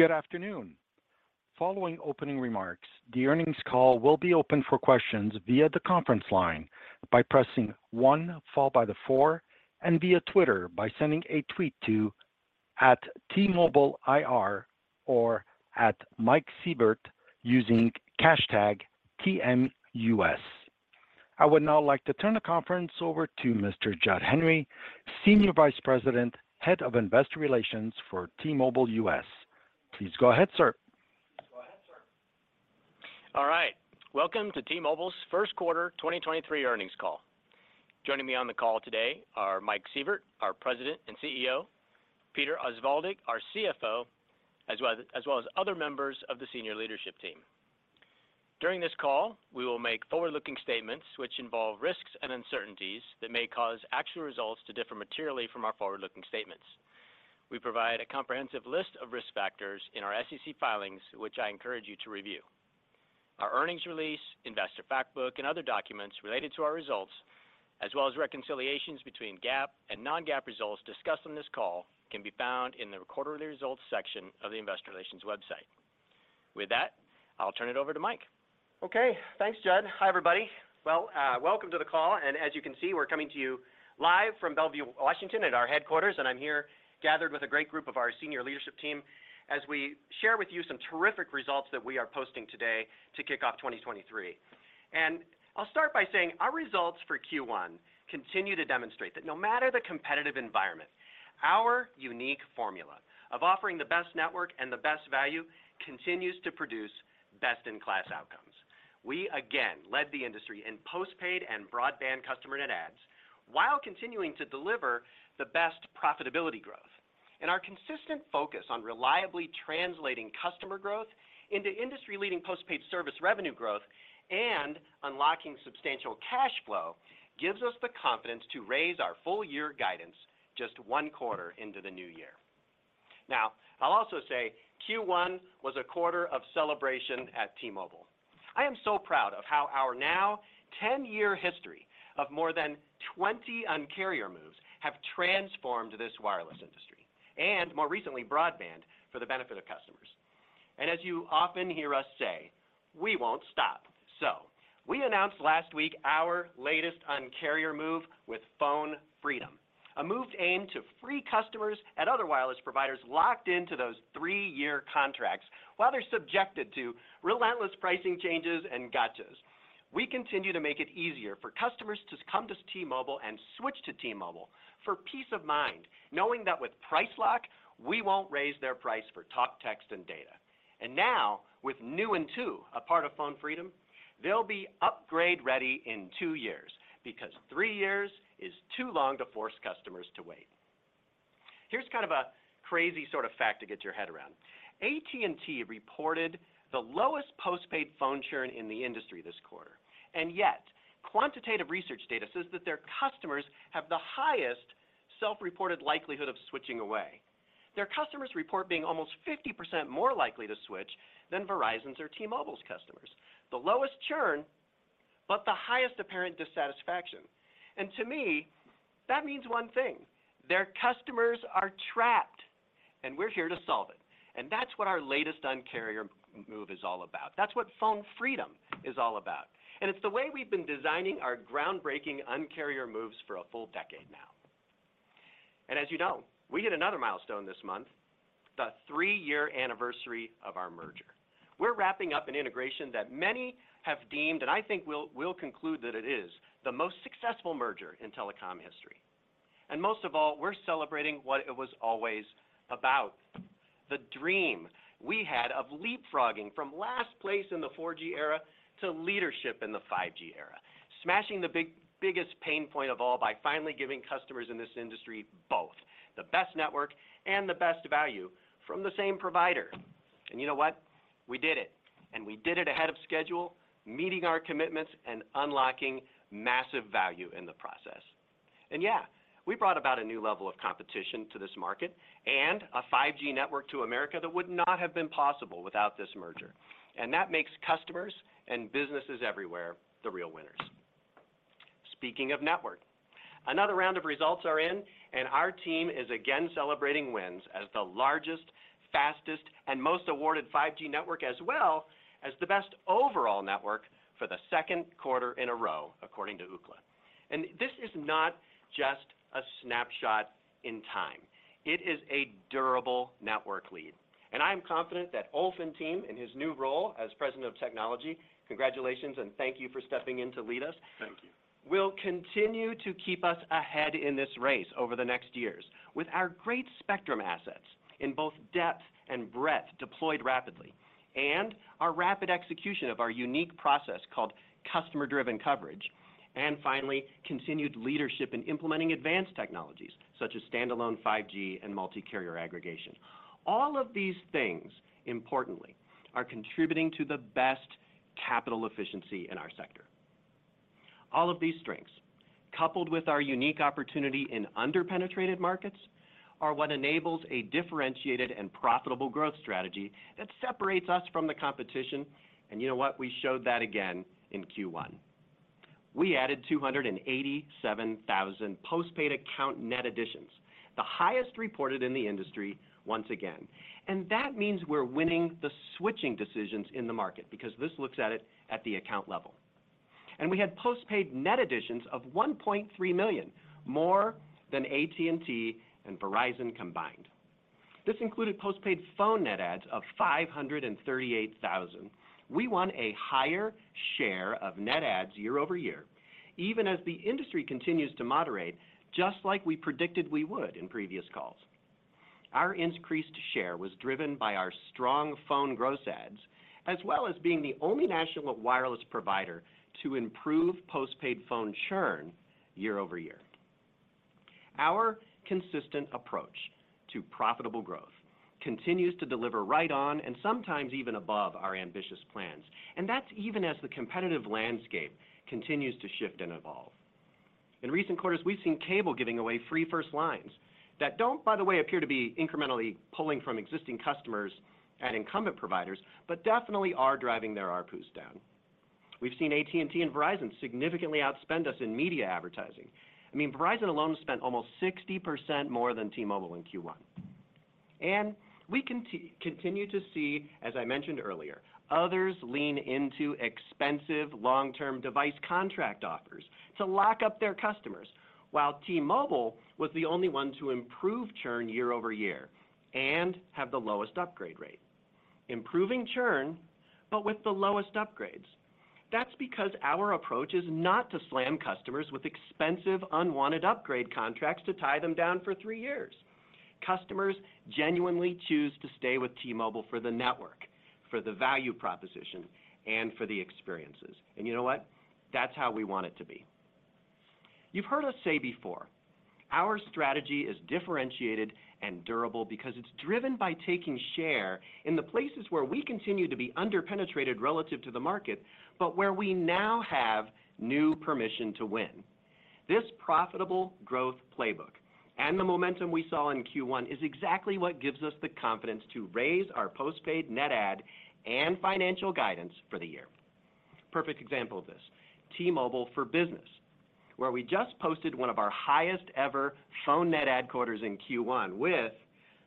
Good afternoon. Following opening remarks, the earnings call will be open for questions via the conference line by pressing one followed by the four and via Twitter by sending a tweet to @T-MobileIR or @MikeSievert using hashtag TMUS. I would now like to turn the conference over to Mr. Jud Henry, Senior Vice President, Head of Investor Relations for T-Mobile US. Please go ahead, sir. All right. Welcome to T-Mobile's first quarter 2023 earnings call. Joining me on the call today are Mike Sievert, our President and CEO, Peter Osvaldik, our CFO, as well as other members of the senior leadership team. During this call, we will make forward-looking statements which involve risks and uncertainties that may cause actual results to differ materially from our forward-looking statements. We provide a comprehensive list of risk factors in our SEC filings, which I encourage you to review. Our earnings release, investor fact book, and other documents related to our results, as well as reconciliations between GAAP and non-GAAP results discussed on this call, can be found in the quarterly results section of the investor relations website. I'll turn it over to Mike. Okay. Thanks, Jud. Hi, everybody. Welcome to the call. As you can see, we're coming to you live from Bellevue, Washington, at our headquarters. I'm here gathered with a great group of our senior leadership team as we share with you some terrific results that we are posting today to kick off 2023. I'll start by saying our results for Q1 continue to demonstrate that no matter the competitive environment, our unique formula of offering the best network and the best value continues to produce best-in-class outcomes. We again led the industry in postpaid and broadband customer net adds while continuing to deliver the best profitability growth. Our consistent focus on reliably translating customer growth into industry-leading postpaid service revenue growth and unlocking substantial cash flow gives us the confidence to raise our full year guidance just one quarter into the new year. I'll also say Q1 was a quarter of celebration at T-Mobile. I am so proud of how our now 10-year history of more than 20 Un-carrier moves have transformed this wireless industry, and more recently, broadband for the benefit of customers. As you often hear us say, we won't stop. We announced last week our latest Un-carrier move with Phone Freedom, a move aimed to free customers at other wireless providers locked into those three-year contracts while they're subjected to relentless pricing changes and gotchas. We continue to make it easier for customers to come to T-Mobile and switch to T-Mobile for peace of mind, knowing that with Price Lock, we won't raise their price for talk, text, and data. Now, with New in Two, a part of Phone Freedom, they'll be upgrade ready in two years because three years is too long to force customers to wait. Here's kind of a crazy sort of fact to get your head around. AT&T reported the lowest postpaid phone churn in the industry this quarter, and yet quantitative research data says that their customers have the highest self-reported likelihood of switching away. Their customers report being almost 50% more likely to switch than Verizon's or T-Mobile's customers. The lowest churn, but the highest apparent dissatisfaction. To me, that means one thing, their customers are trapped, and we're here to solve it. That's what our latest Un-carrier move is all about. That's what Phone Freedom is all about. It's the way we've been designing our groundbreaking Un-carrier moves for a full decade now. As you know, we hit another milestone this month, the three-year anniversary of our merger. We're wrapping up an integration that many have deemed, and I think we'll conclude that it is the most successful merger in telecom history. Most of all, we're celebrating what it was always about, the dream we had of leapfrogging from last place in the 4G era to leadership in the 5G era, smashing the biggest pain point of all by finally giving customers in this industry both the best network and the best value from the same provider. You know what? We did it, and we did it ahead of schedule, meeting our commitments and unlocking massive value in the process. Yeah, we brought about a new level of competition to this market and a 5G network to America that would not have been possible without this merger. That makes customers and businesses everywhere the real winners. Speaking of network, another round of results are in, and our team is again celebrating wins as the largest, fastest, and most awarded 5G network, as well as the best overall network for the second quarter in a row, according to Ookla. This is not just a snapshot in time. It is a durable network lead. I'm confident that Ulf Ewaldsson in his new role as President of Technology, congratulations and thank you for stepping in to lead us- Thank you. will continue to keep us ahead in this race over the next years with our great spectrum assets in both depth and breadth deployed rapidly, and our rapid execution of our unique process called Customer-Driven Coverage, and finally, continued leadership in implementing advanced technologies such as standalone 5G and multi-carrier aggregation. All of these things, importantly, are contributing to the best capital efficiency in our sector. All of these strengths, coupled with our unique opportunity in under-penetrated markets, are what enables a differentiated and profitable growth strategy that separates us from the competition. You know what? We showed that again in Q1. We added 287,000 postpaid account net additions, the highest reported in the industry once again. That means we're winning the switching decisions in the market because this looks at it at the account level. We had postpaid net additions of $1.3 million, more than AT&T and Verizon combined. This included postpaid phone net adds of $538,000. We won a higher share of net adds year-over-year, even as the industry continues to moderate, just like we predicted we would in previous calls. Our increased share was driven by our strong phone gross adds, as well as being the only national wireless provider to improve postpaid phone churn year-over-year. Our consistent approach to profitable growth continues to deliver right on and sometimes even above our ambitious plans, and that's even as the competitive landscape continues to shift and evolve. In recent quarters, we've seen cable giving away free first lines that don't, by the way, appear to be incrementally pulling from existing customers and incumbent providers, but definitely are driving their ARPUs down. We've seen AT&T and Verizon significantly outspend us in media advertising. I mean, Verizon alone spent almost 60% more than T-Mobile in Q1. We continue to see, as I mentioned earlier, others lean into expensive long-term device contract offers to lock up their customers. While T-Mobile was the only one to improve churn year-over-year and have the lowest upgrade rate. Improving churn, with the lowest upgrades. That's because our approach is not to slam customers with expensive, unwanted upgrade contracts to tie them down for three years. Customers genuinely choose to stay with T-Mobile for the network, for the value proposition, and for the experiences. You know what? That's how we want it to be. You've heard us say before, our strategy is differentiated and durable because it's driven by taking share in the places where we continue to be under-penetrated relative to the market, but where we now have new permission to win. This profitable growth playbook and the momentum we saw in Q1 is exactly what gives us the confidence to raise our postpaid net add and financial guidance for the year. Perfect example of this, T-Mobile for Business, where we just posted one of our highest ever phone net add quarters in Q1 with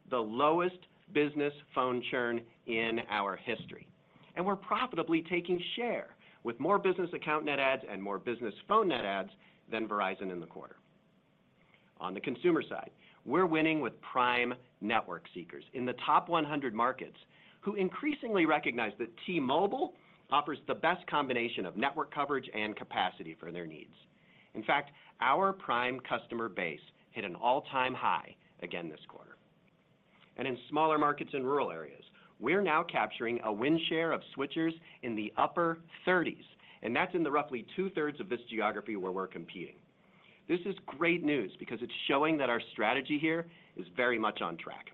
the lowest business phone churn in our history. We're profitably taking share with more business account net adds and more business phone net adds than Verizon in the quarter. On the consumer side, we're winning with prime network seekers in the top 100 markets who increasingly recognize that T-Mobile offers the best combination of network coverage and capacity for their needs. In fact, our prime customer base hit an all-time high again this quarter. In smaller markets in rural areas, we're now capturing a win share of switchers in the upper 30s, and that's in the roughly 2/3 of this geography where we're competing. This is great news because it's showing that our strategy here is very much on track.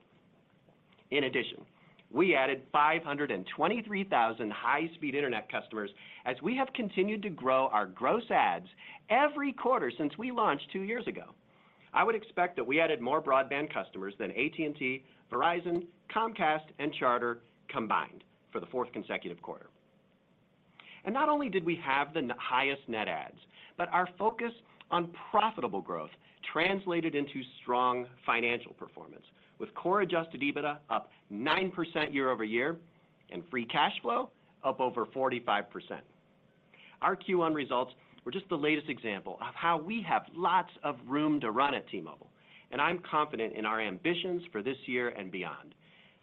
In addition, we added 523,000 high-speed internet customers as we have continued to grow our gross adds every quarter since we launched two years ago. I would expect that we added more broadband customers than AT&T, Verizon, Comcast, and Charter combined for the fourth consecutive quarter. Not only did we have the highest net adds, our focus on profitable growth translated into strong financial performance with Core Adjusted EBITDA up 9% year-over-year and free cash flow up over 45%. Our Q1 results were just the latest example of how we have lots of room to run at T-Mobile, I'm confident in our ambitions for this year and beyond.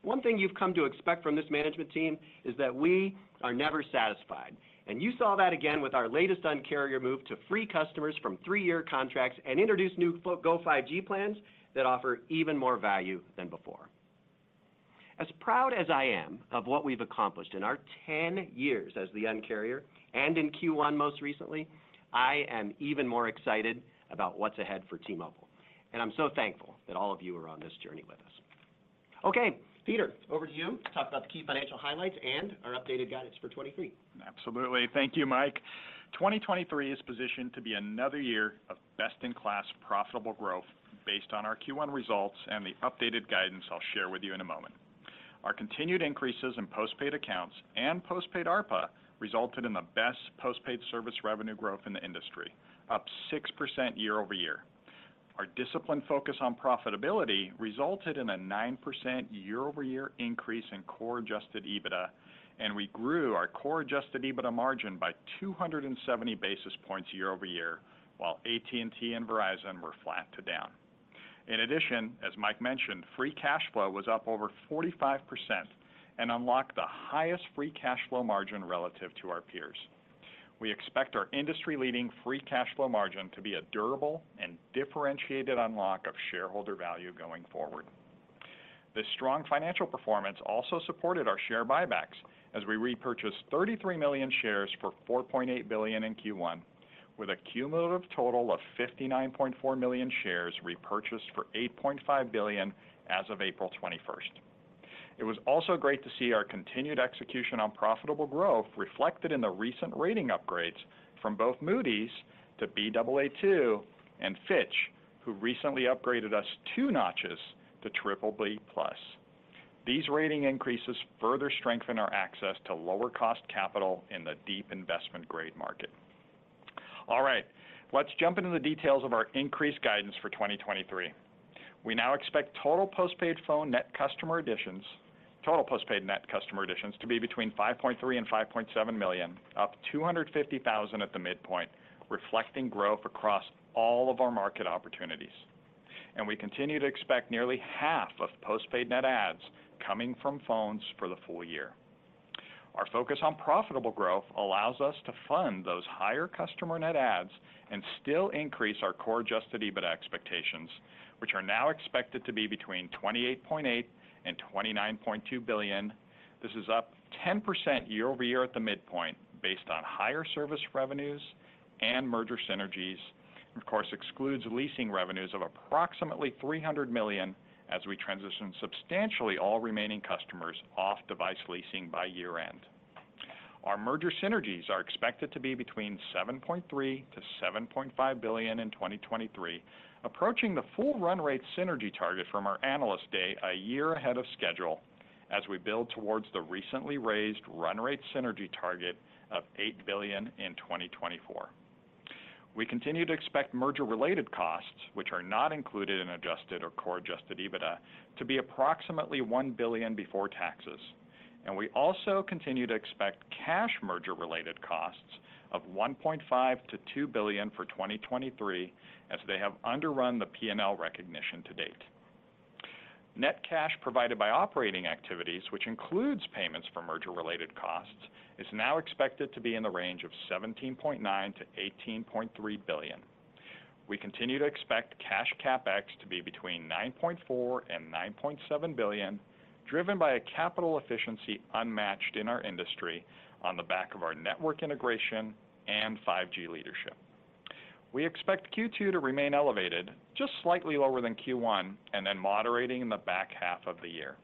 One thing you've come to expect from this management team is that we are never satisfied, you saw that again with our latest Un-carrier move to free customers from three-year contracts and introduce new Go5G plans that offer even more value than before. As proud as I am of what we've accomplished in our 10 years as the Un-carrier and in Q1 most recently, I am even more excited about what's ahead for T-Mobile, and I'm so thankful that all of you are on this journey with us. Okay, Peter, over to you to talk about the key financial highlights and our updated guidance for 2023. Absolutely. Thank you, Mike. 2023 is positioned to be another year of best-in-class profitable growth based on our Q1 results and the updated guidance I'll share with you in a moment. Our continued increases in postpaid accounts and postpaid ARPA resulted in the best postpaid service revenue growth in the industry, up 6% year-over-year. Our disciplined focus on profitability resulted in a 9% year-over-year increase in Core Adjusted EBITDA, and we grew our Core Adjusted EBITDA margin by 270 basis points year-over-year, while AT&T and Verizon were flat to down. In addition, as Mike mentioned, free cash flow was up over 45% and unlocked the highest free cash flow margin relative to our peers. We expect our industry-leading free cash flow margin to be a durable and differentiated unlock of shareholder value going forward. This strong financial performance also supported our share buybacks as we repurchased 33 million shares for $4.8 billion in Q1, with a cumulative total of 59.4 million shares repurchased for $8.5 billion as of April 21st. It was also great to see our continued execution on profitable growth reflected in the recent rating upgrades from both Moody's to Baa2, and Fitch, who recently upgraded us two notches to BBB+. These rating increases further strengthen our access to lower cost capital in the deep investment grade market. All right, let's jump into the details of our increased guidance for 2023. We now expect total postpaid net customer additions to be between 5.3 million and 5.7 million, up 250,000 at the midpoint, reflecting growth across all of our market opportunities. We continue to expect nearly half of postpaid net adds coming from phones for the full year. Our focus on profitable growth allows us to fund those higher customer net adds and still increase our Core Adjusted EBITDA expectations, which are now expected to be between $28.8 billion and $29.2 billion. This is up 10% year-over-year at the midpoint, based on higher service revenues and merger synergies. Of course, excludes leasing revenues of approximately $300 million, as we transition substantially all remaining customers off device leasing by year-end. Our merger synergies are expected to be between $7.3 billion to $7.5 billion in 2023, approaching the full run rate synergy target from our Analyst Day a year ahead of schedule, as we build towards the recently raised run rate synergy target of $8 billion in 2024. We continue to expect merger-related costs, which are not included in adjusted or Core Adjusted EBITDA, to be $1 billion before taxes. We also continue to expect cash merger-related costs of $1.5 billion$2 billion for 2023, as they have underrun the P&L recognition to date. Net cash provided by operating activities, which includes payments for merger-related costs, is now expected to be in the range of $17.9 billion to $18.3 billion. We continue to expect cash CapEx to be between $9.4 billion and $9.7 billion, driven by a capital efficiency unmatched in our industry on the back of our network integration and 5G leadership. We expect Q2 to remain elevated, just slightly lower than Q1, then moderating in the back half of the year.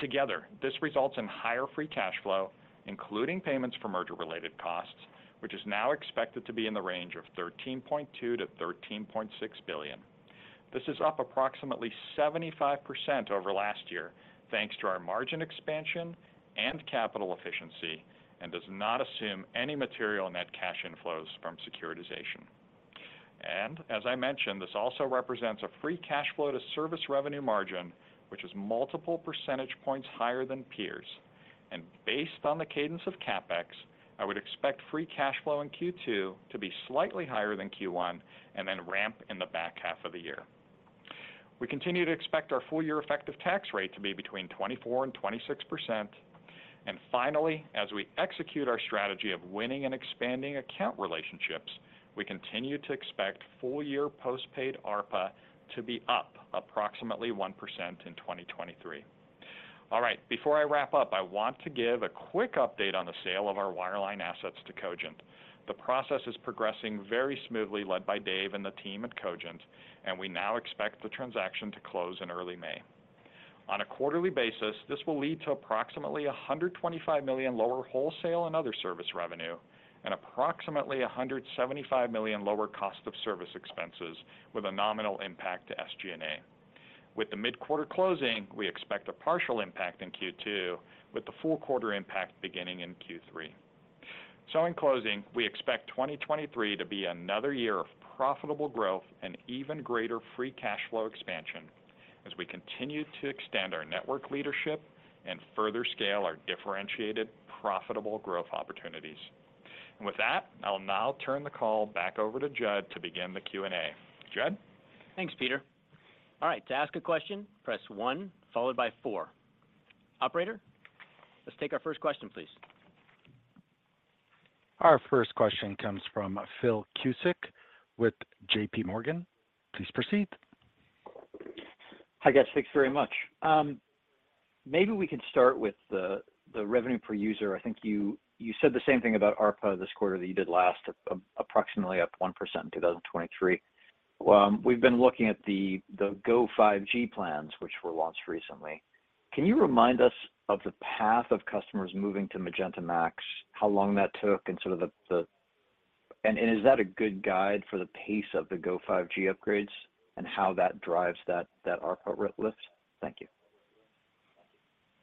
Together, this results in higher free cash flow, including payments for merger-related costs, which is now expected to be in the range of $13.2 billion to $13.6 billion. This is up approximately 75% over last year, thanks to our margin expansion and capital efficiency, Does not assume any material net cash inflows from securitization. As I mentioned, this also represents a free cash flow to service revenue margin, which is multiple percentage points higher than peers. Based on the cadence of CapEx, I would expect free cash flow in Q2 to be slightly higher than Q1 and then ramp in the back half of the year. We continue to expect our full-year effective tax rate to be between 24% and 26%. Finally, as we execute our strategy of winning and expanding account relationships, we continue to expect full-year postpaid ARPA to be up approximately 1% in 2023. All right. Before I wrap up, I want to give a quick update on the sale of our wireline assets to Cogent. The process is progressing very smoothly, led by Dave and the team at Cogent, and we now expect the transaction to close in early May. On a quarterly basis, this will lead to approximately $125 million lower wholesale and other service revenue and approximately $175 million lower cost of service expenses with a nominal impact to SG&A. With the mid-quarter closing, we expect a partial impact in Q2 with the full quarter impact beginning in Q3. In closing, we expect 2023 to be another year of profitable growth and even greater free cash flow expansion as we continue to extend our network leadership and further scale our differentiated profitable growth opportunities. With that, I'll now turn the call back over to Jud to begin the Q&A. Jud? Thanks, Peter. All right. To ask a question, press one followed by four. Operator, let's take our first question, please. Our first question comes from Phil Cusick with J.P. Morgan. Please proceed. Hi, guys. Thanks very much. Maybe we can start with the revenue per user. I think you said the same thing about ARPA this quarter that you did last, approximately up 1% in 2023. We've been looking at the Go5G plans, which were launched recently. Can you remind us of the path of customers moving to Magenta MAX, how long that took, and sort of the... Is that a good guide for the pace of the Go5G upgrades and how that drives that ARPA lift? Thank you.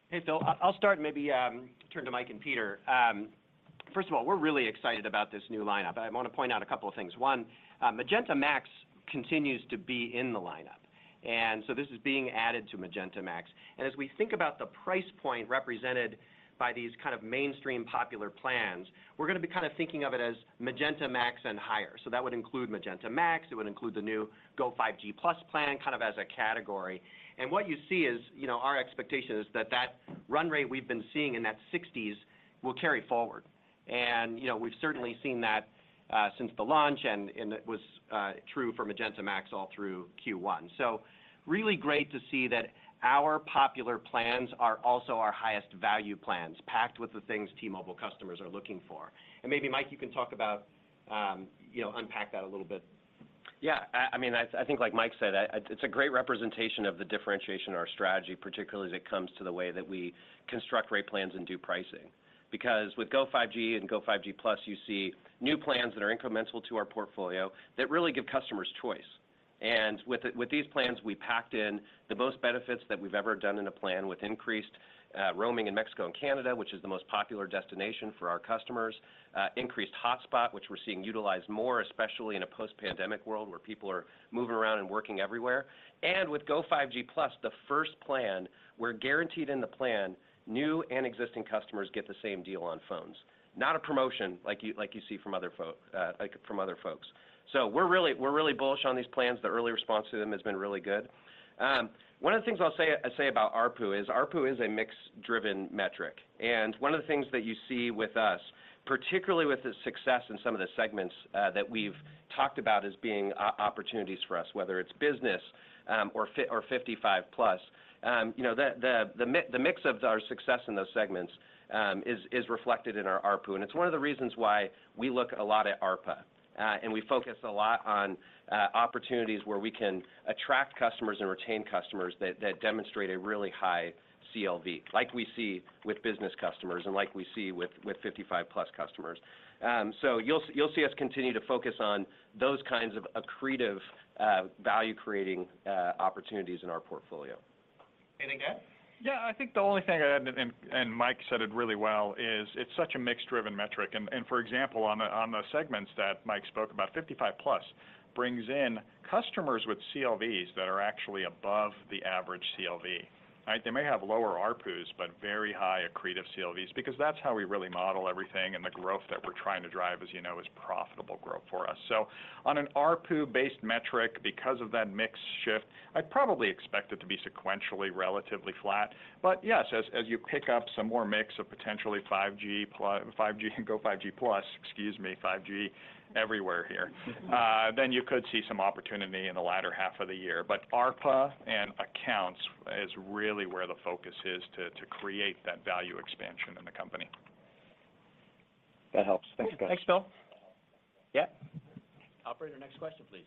Hey, Phil. I'll start and maybe turn to Mike and Peter. First of all, we're really excited about this new lineup. I want to point out a couple of things. One, Magenta MAX continues to be in the lineup, this is being added to Magenta MAX. As we think about the price point represented by these kind of mainstream popular plans, we're going to be kind of thinking of it as Magenta MAX and higher. That would include Magenta MAX, it would include the new Go5G Plus plan, kind of as a category. What you see is, you know, our expectation is that that run rate we've been seeing in that $60s will carry forward. You know, we've certainly seen that since the launch, and it was true for Magenta MAX all through Q1. Really great to see that our popular plans are also our highest value plans, packed with the things T-Mobile customers are looking for. And maybe Mike, you can talk about, you know, unpack that a little bit. Yeah. I mean, I think like Mike said, it's a great representation of the differentiation in our strategy, particularly as it comes to the way that we construct rate plans and do pricing. With Go5G and Go5G Plus, you see new plans that are incremental to our portfolio that really give customers choice. With these plans, we packed in the most benefits that we've ever done in a plan with increased roaming in Mexico and Canada, which is the most popular destination for our customers, increased hotspot, which we're seeing utilized more, especially in a post-pandemic world where people are moving around and working everywhere. With Go5G Plus, the first plan, we're guaranteed in the plan, new and existing customers get the same deal on phones. Not a promotion like you see from other folks. We're really bullish on these plans. The early response to them has been really good. One of the things I'll say about ARPU is ARPU is a mix-driven metric. One of the things that you see with us, particularly with the success in some of the segments that we've talked about as being opportunities for us, whether it's business, or 55 plus, you know, the mix of our success in those segments is reflected in our ARPU. It's one of the reasons why we look a lot at ARPA, and we focus a lot on opportunities where we can attract customers and retain customers that demonstrate a really high CLV, like we see with business customers and like we see with 55 plus customers. You'll see us continue to focus on those kinds of accretive, value-creating opportunities in our portfolio. Anything to add? I think the only thing I'd add, and Mike said it really well, is it's such a mix-driven metric. For example, on the segments that Mike spoke about, 55+ brings in customers with CLVs that are actually above the average CLV, right? They may have lower ARPUs, but very high accretive CLVs because that's how we really model everything, and the growth that we're trying to drive, as you know, is profitable growth for us. On an ARPU-based metric, because of that mix shift, I'd probably expect it to be sequentially relatively flat. Yes, as you pick up some more mix of potentially 5G and Go5G Plus, excuse me, 5G everywhere here, you could see some opportunity in the latter half of the year. ARPA and accounts is really where the focus is to create that value expansion in the company. That helps. Thanks, guys. Cool. Thanks, Phil. Yeah. Operator, next question, please.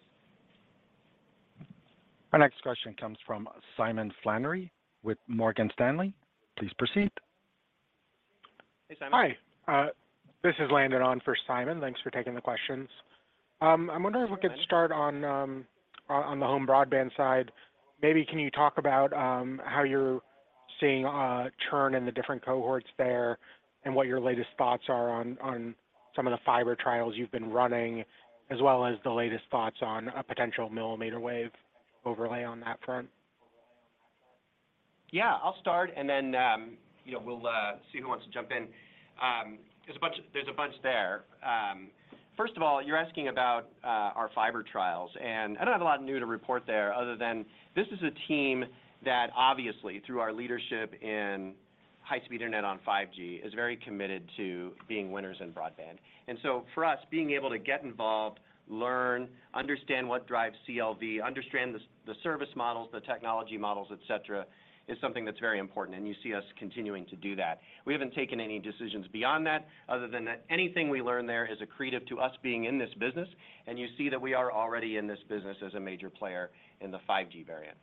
Our next question comes from Simon Flannery with Morgan Stanley. Please proceed. Hey, Simon. Hi. This is Landon on for Simon. Thanks for taking the questions. I'm wondering if we could start on the home broadband side. Maybe can you talk about how you're seeing churn in the different cohorts there and what your latest thoughts are on some of the fiber trials you've been running, as well as the latest thoughts on a potential millimeter wave overlay on that front? I'll start. Then, you know, we'll see who wants to jump in. There's a bunch there. First of all, you're asking about our fiber trials. I don't have a lot new to report there other than this is a team that obviously, through our leadership in high-speed internet on 5G, is very committed to being winners in broadband. For us, being able to get involved, learn, understand what drives CLV, understand the service models, the technology models, et cetera, is something that's very important. You see us continuing to do that. We haven't taken any decisions beyond that other than that anything we learn there is accretive to us being in this business. You see that we are already in this business as a major player in the 5G variant.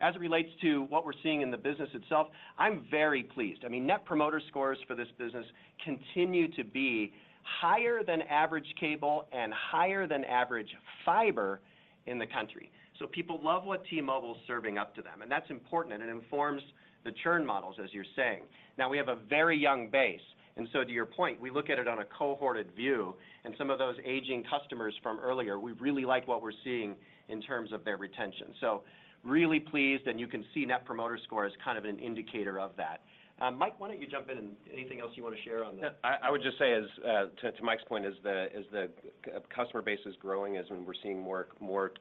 As it relates to what we're seeing in the business itself, I'm very pleased. I mean, net promoter scores for this business continue to be higher than average cable and higher than average fiber in the country. People love what T-Mobile's serving up to them, and that's important, and it informs the churn models, as you're saying. We have a very young base, and so to your point, we look at it on a cohorted view, and some of those aging customers from earlier, we really like what we're seeing in terms of their retention. Really pleased, and you can see net promoter score as kind of an indicator of that. Mike, why don't you jump in and anything else you want to share on that? I would just say as to Mike's point is the customer base is growing as, and we're seeing more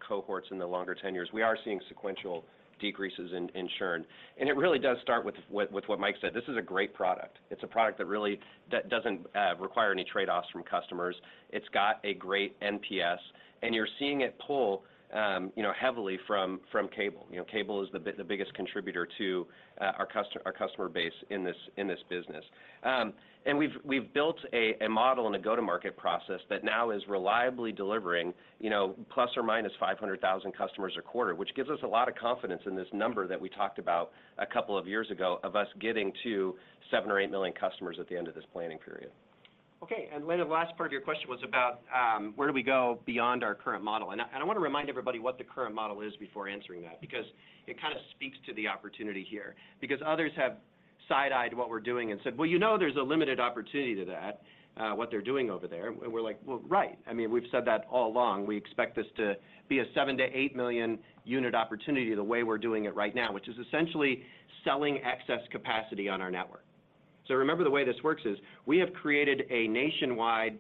cohorts in the longer tenures. We are seeing sequential decreases in churn. It really does start with what Mike said. This is a great product. It's a product that really doesn't require any trade-offs from customers. It's got a great NPS, and you're seeing it pull, you know, heavily from cable. You know, cable is the biggest contributor to our customer base in this business. We've built a model and a go-to-market process that now is reliably delivering, you know, ±500,000 customers a quarter, which gives us a lot of confidence in this number that we talked about a couple of years ago of us getting to 7 million or 8 million customers at the end of this planning period. Okay. Landon, the last part of your question was about where do we go beyond our current model? I want to remind everybody what the current model is before answering that because it kind of speaks to the opportunity here. Others have side-eyed what we're doing and said, "Well, you know, there's a limited opportunity to that, what they're doing over there." We're like, "Well, right." I mean, we've said that all along. We expect this to be a 7 million to 8 million unit opportunity the way we're doing it right now, which is essentially selling excess capacity on our network. Remember the way this works is we have created a nationwide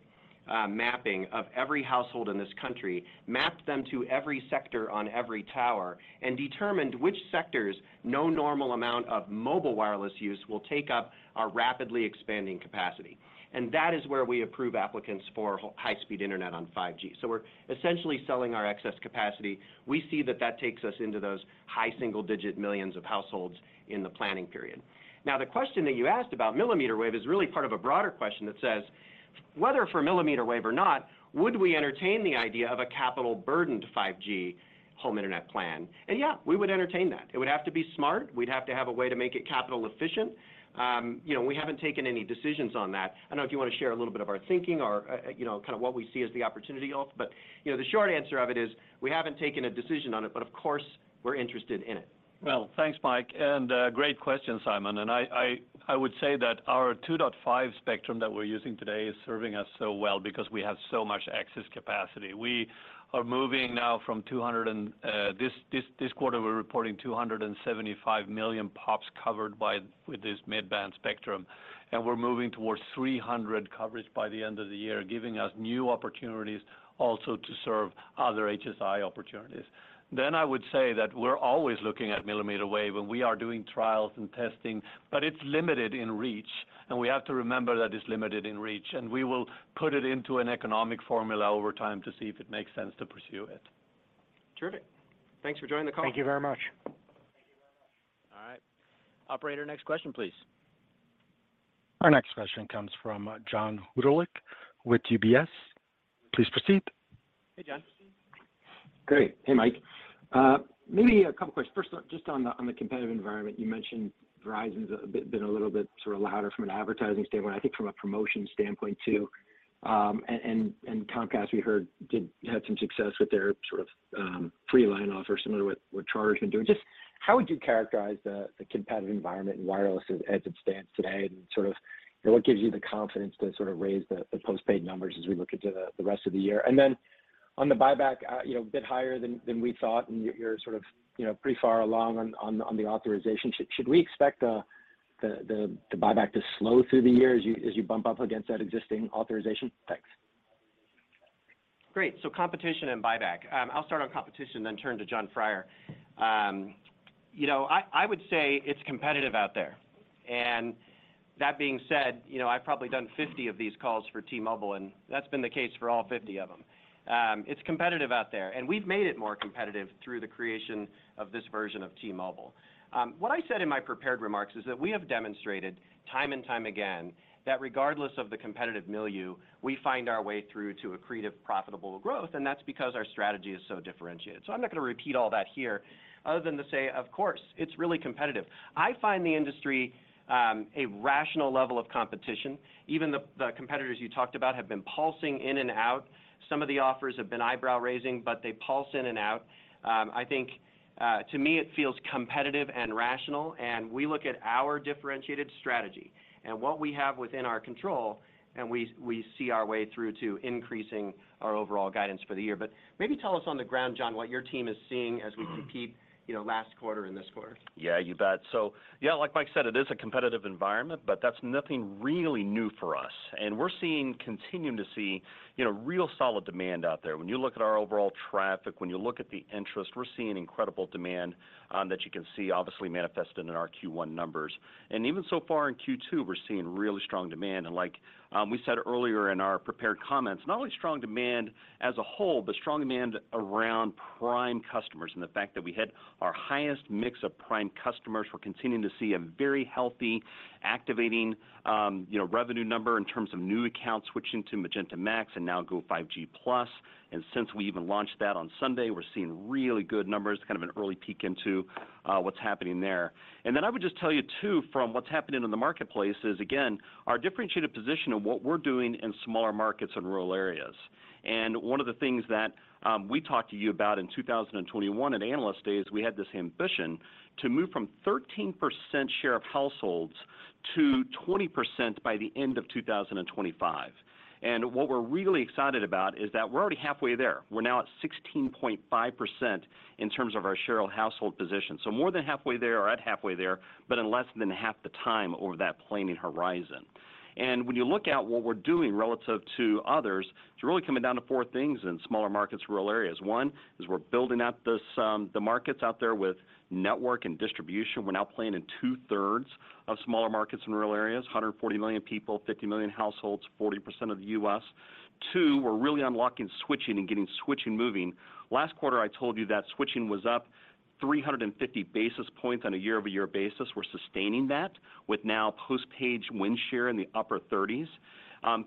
mapping of every household in this country, mapped them to every sector on every tower, and determined which sectors no normal amount of mobile wireless use will take up our rapidly expanding capacity. That is where we approve applicants for high-speed internet on 5G. We're essentially selling our excess capacity. We see that takes us into those high single-digit millions of households in the planning period. The question that you asked about millimeter wave is really part of a broader question that says whether for millimeter wave or not, would we entertain the idea of a capital-burdened 5G home internet plan? Yeah, we would entertain that. It would have to be smart. We'd have to have a way to make it capital efficient. You know, we haven't taken any decisions on that. I don't know if you want to share a little bit of our thinking or, you know, kind of what we see as the opportunity, Ulf. You know, the short answer of it is we haven't taken a decision on it, but of course, we're interested in it. Thanks, Mike, great question, Simon. I would say that our 2.5 spectrum that we're using today is serving us so well because we have so much access capacity. We are moving now this quarter, we're reporting 275 million POPs covered with this mid-band spectrum, we're moving towards 300 coverage by the end of the year, giving us new opportunities also to serve other HSI opportunities. I would say that we're always looking at millimeter wave, we are doing trials and testing, it's limited in reach, we have to remember that it's limited in reach, we will put it into an economic formula over time to see if it makes sense to pursue it. Terrific. Thanks for joining the call. Thank you very much. Thank you very much. All right. Operator, next question, please. Our next question comes from John Hodulik with UBS. Please proceed. Hey, John. Great. Hey, Mike. maybe a couple questions. First, just on the, on the competitive environment, you mentioned Verizon's been a little bit sort of louder from an advertising standpoint, I think from a promotion standpoint, too. and Comcast, we heard, had some success with their sort of, free line offer, similar with what Charter's been doing. Just how would you characterize the competitive environment in wireless as it stands today and sort of, you know, what gives you the confidence to sort of raise the postpaid numbers as we look into the rest of the year? Then on the buyback, you know, a bit higher than we thought, and you're sort of, you know, pretty far along on the authorization. Should we expect the buyback to slow through the year as you bump up against that existing authorization? Thanks. Great. Competition and buyback. I'll start on competition, then turn to Jon Freier. you know, I would say it's competitive out there. That being said, you know, I've probably done 50 of these calls for T-Mobile, and that's been the case for all 50 of them. it's competitive out there, and we've made it more competitive through the creation of this version of T-Mobile. what I said in my prepared remarks is that we have demonstrated time and time again that regardless of the competitive milieu, we find our way through to accretive profitable growth, and that's because our strategy is so differentiated. I'm not going to repeat all that here other than to say, of course, it's really competitive. I find the industry, a rational level of competition. Even the competitors you talked about have been pulsing in and out. Some of the offers have been eyebrow-raising, but they pulse in and out. I think to me, it feels competitive and rational, and we look at our differentiated strategy and what we have within our control, and we see our way through to increasing our overall guidance for the year. Maybe tell us on the ground, Jon, what your team is seeing as we compete, you know, last quarter and this quarter. Yeah, you bet. Yeah, like Mike said, it is a competitive environment, but that's nothing really new for us. We're continuing to see, you know, real solid demand out there. When you look at our overall traffic, when you look at the interest, we're seeing incredible demand, that you can see obviously manifested in our Q1 numbers. Even so far in Q2, we're seeing really strong demand. Like, we said earlier in our prepared comments, not only strong demand as a whole, but strong demand around prime customers and the fact that we had our highest mix of prime customers. We're continuing to see a very healthy activating, you know, revenue number in terms of new accounts switching to Magenta MAX and now Go5G Plus. Since we even launched that on Sunday, we're seeing really good numbers, kind of an early peek into what's happening there. I would just tell you, too, from what's happening in the marketplace is, again, our differentiated position of what we're doing in smaller markets and rural areas. One of the things that we talked to you about in 2021 at Analyst Day is we had this ambition to move from 13% share of households to 20% by the end of 2025. What we're really excited about is that we're already halfway there. We're now at 16.5% in terms of our share of household position. More than halfway there or at halfway there, but in less than half the time over that planning horizon. When you look at what we're doing relative to others, it's really coming down to four things in smaller markets, rural areas. One is we're building out this, the markets out there with network and distribution. We're now playing in 2/3 of smaller markets in rural areas, 140 million people, 50 million households, 40% of the U.S. Two, we're really unlocking switching and getting switching moving. Last quarter, I told you that switching was up 350 basis points on a year-over-year basis. We're sustaining that with now postpaid win share in the upper 30s.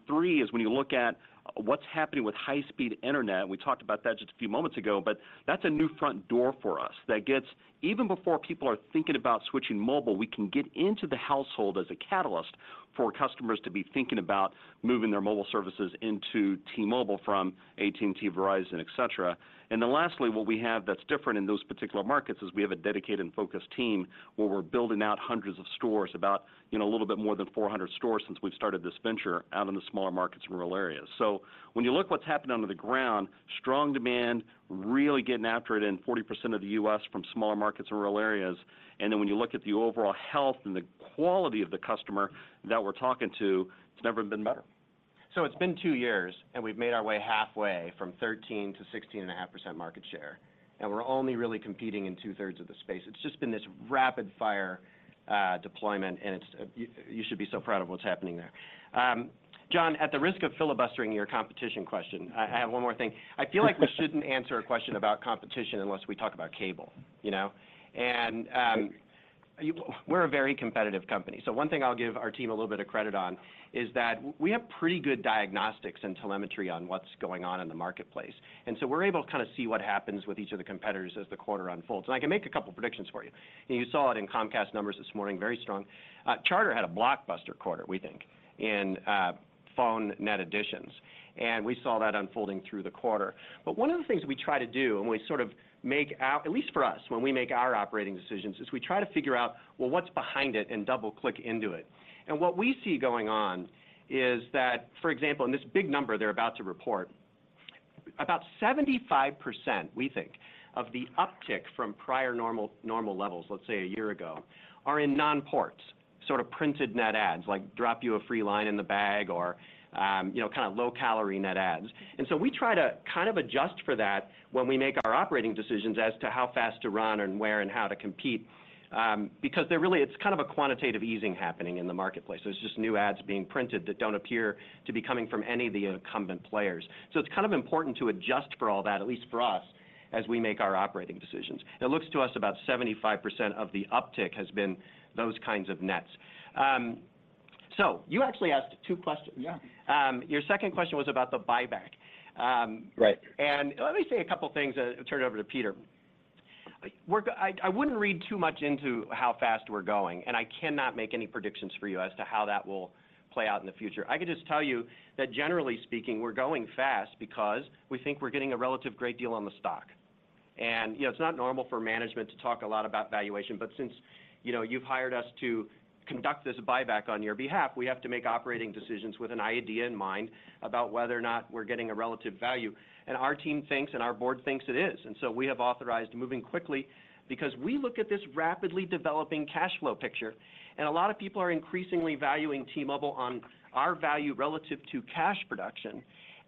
Three is when you look at what's happening with high-speed internet, and we talked about that just a few moments ago, but that's a new front door for us that gets... Even before people are thinking about switching mobile, we can get into the household as a catalyst for customers to be thinking about moving their mobile services into T-Mobile from AT&T, Verizon, et cetera. Lastly, what we have that's different in those particular markets is we have a dedicated and focused team where we're building out hundreds of stores, about, you know, a little bit more than 400 stores since we've started this venture out in the smaller markets and rural areas. When you look what's happening under the ground, strong demand, really getting after it in 40% of the U.S. from smaller markets and rural areas. When you look at the overall health and the quality of the customer that we're talking to, it's never been better. It's been two years, and we've made our way halfway from 13% to 16.5% market share, and we're only really competing in 2/3 of the space. It's just been this rapid fire deployment, and it's, you should be so proud of what's happening there. John, at the risk of filibustering your competition question, I have one more thing. I feel like we shouldn't answer a question about competition unless we talk about cable, you know? We're a very competitive company. One thing I'll give our team a little bit of credit on is that we have pretty good diagnostics and telemetry on what's going on in the marketplace. We're able to kind of see what happens with each of the competitors as the quarter unfolds. I can make a couple predictions for you. You saw it in Comcast numbers this morning, very strong. Charter had a blockbuster quarter, we think, in phone net additions, and we saw that unfolding through the quarter. One of the things we try to do, and we sort of make at least for us, when we make our operating decisions, is we try to figure out, well, what's behind it and double-click into it. What we see going on is that, for example, in this big number they're about to report, about 75%, we think, of the uptick from prior normal levels, let's say a year ago, are in non-ports, sort of printed net ads, like drop you a free line in the bag or, you know, kind of low-calorie net ads. We try to kind of adjust for that when we make our operating decisions as to how fast to run and where and how to compete, because it's kind of a quantitative easing happening in the marketplace. It's just new ads being printed that don't appear to be coming from any of the incumbent players. It's kind of important to adjust for all that, at least for us, as we make our operating decisions. It looks to us about 75% of the uptick has been those kinds of nets. You actually asked two questions. Yeah. Your second question was about the buyback. Right. Let me say a couple things, turn it over to Peter. I wouldn't read too much into how fast we're going, and I cannot make any predictions for you as to how that will play out in the future. I can just tell you that generally speaking, we're going fast because we think we're getting a relative great deal on the stock. You know, it's not normal for management to talk a lot about valuation, but since, you know, you've hired us to conduct this buyback on your behalf, we have to make operating decisions with an idea in mind about whether or not we're getting a relative value. Our team thinks and our board thinks it is. We have authorized moving quickly because we look at this rapidly developing cash flow picture, and a lot of people are increasingly valuing T-Mobile on our value relative to cash production,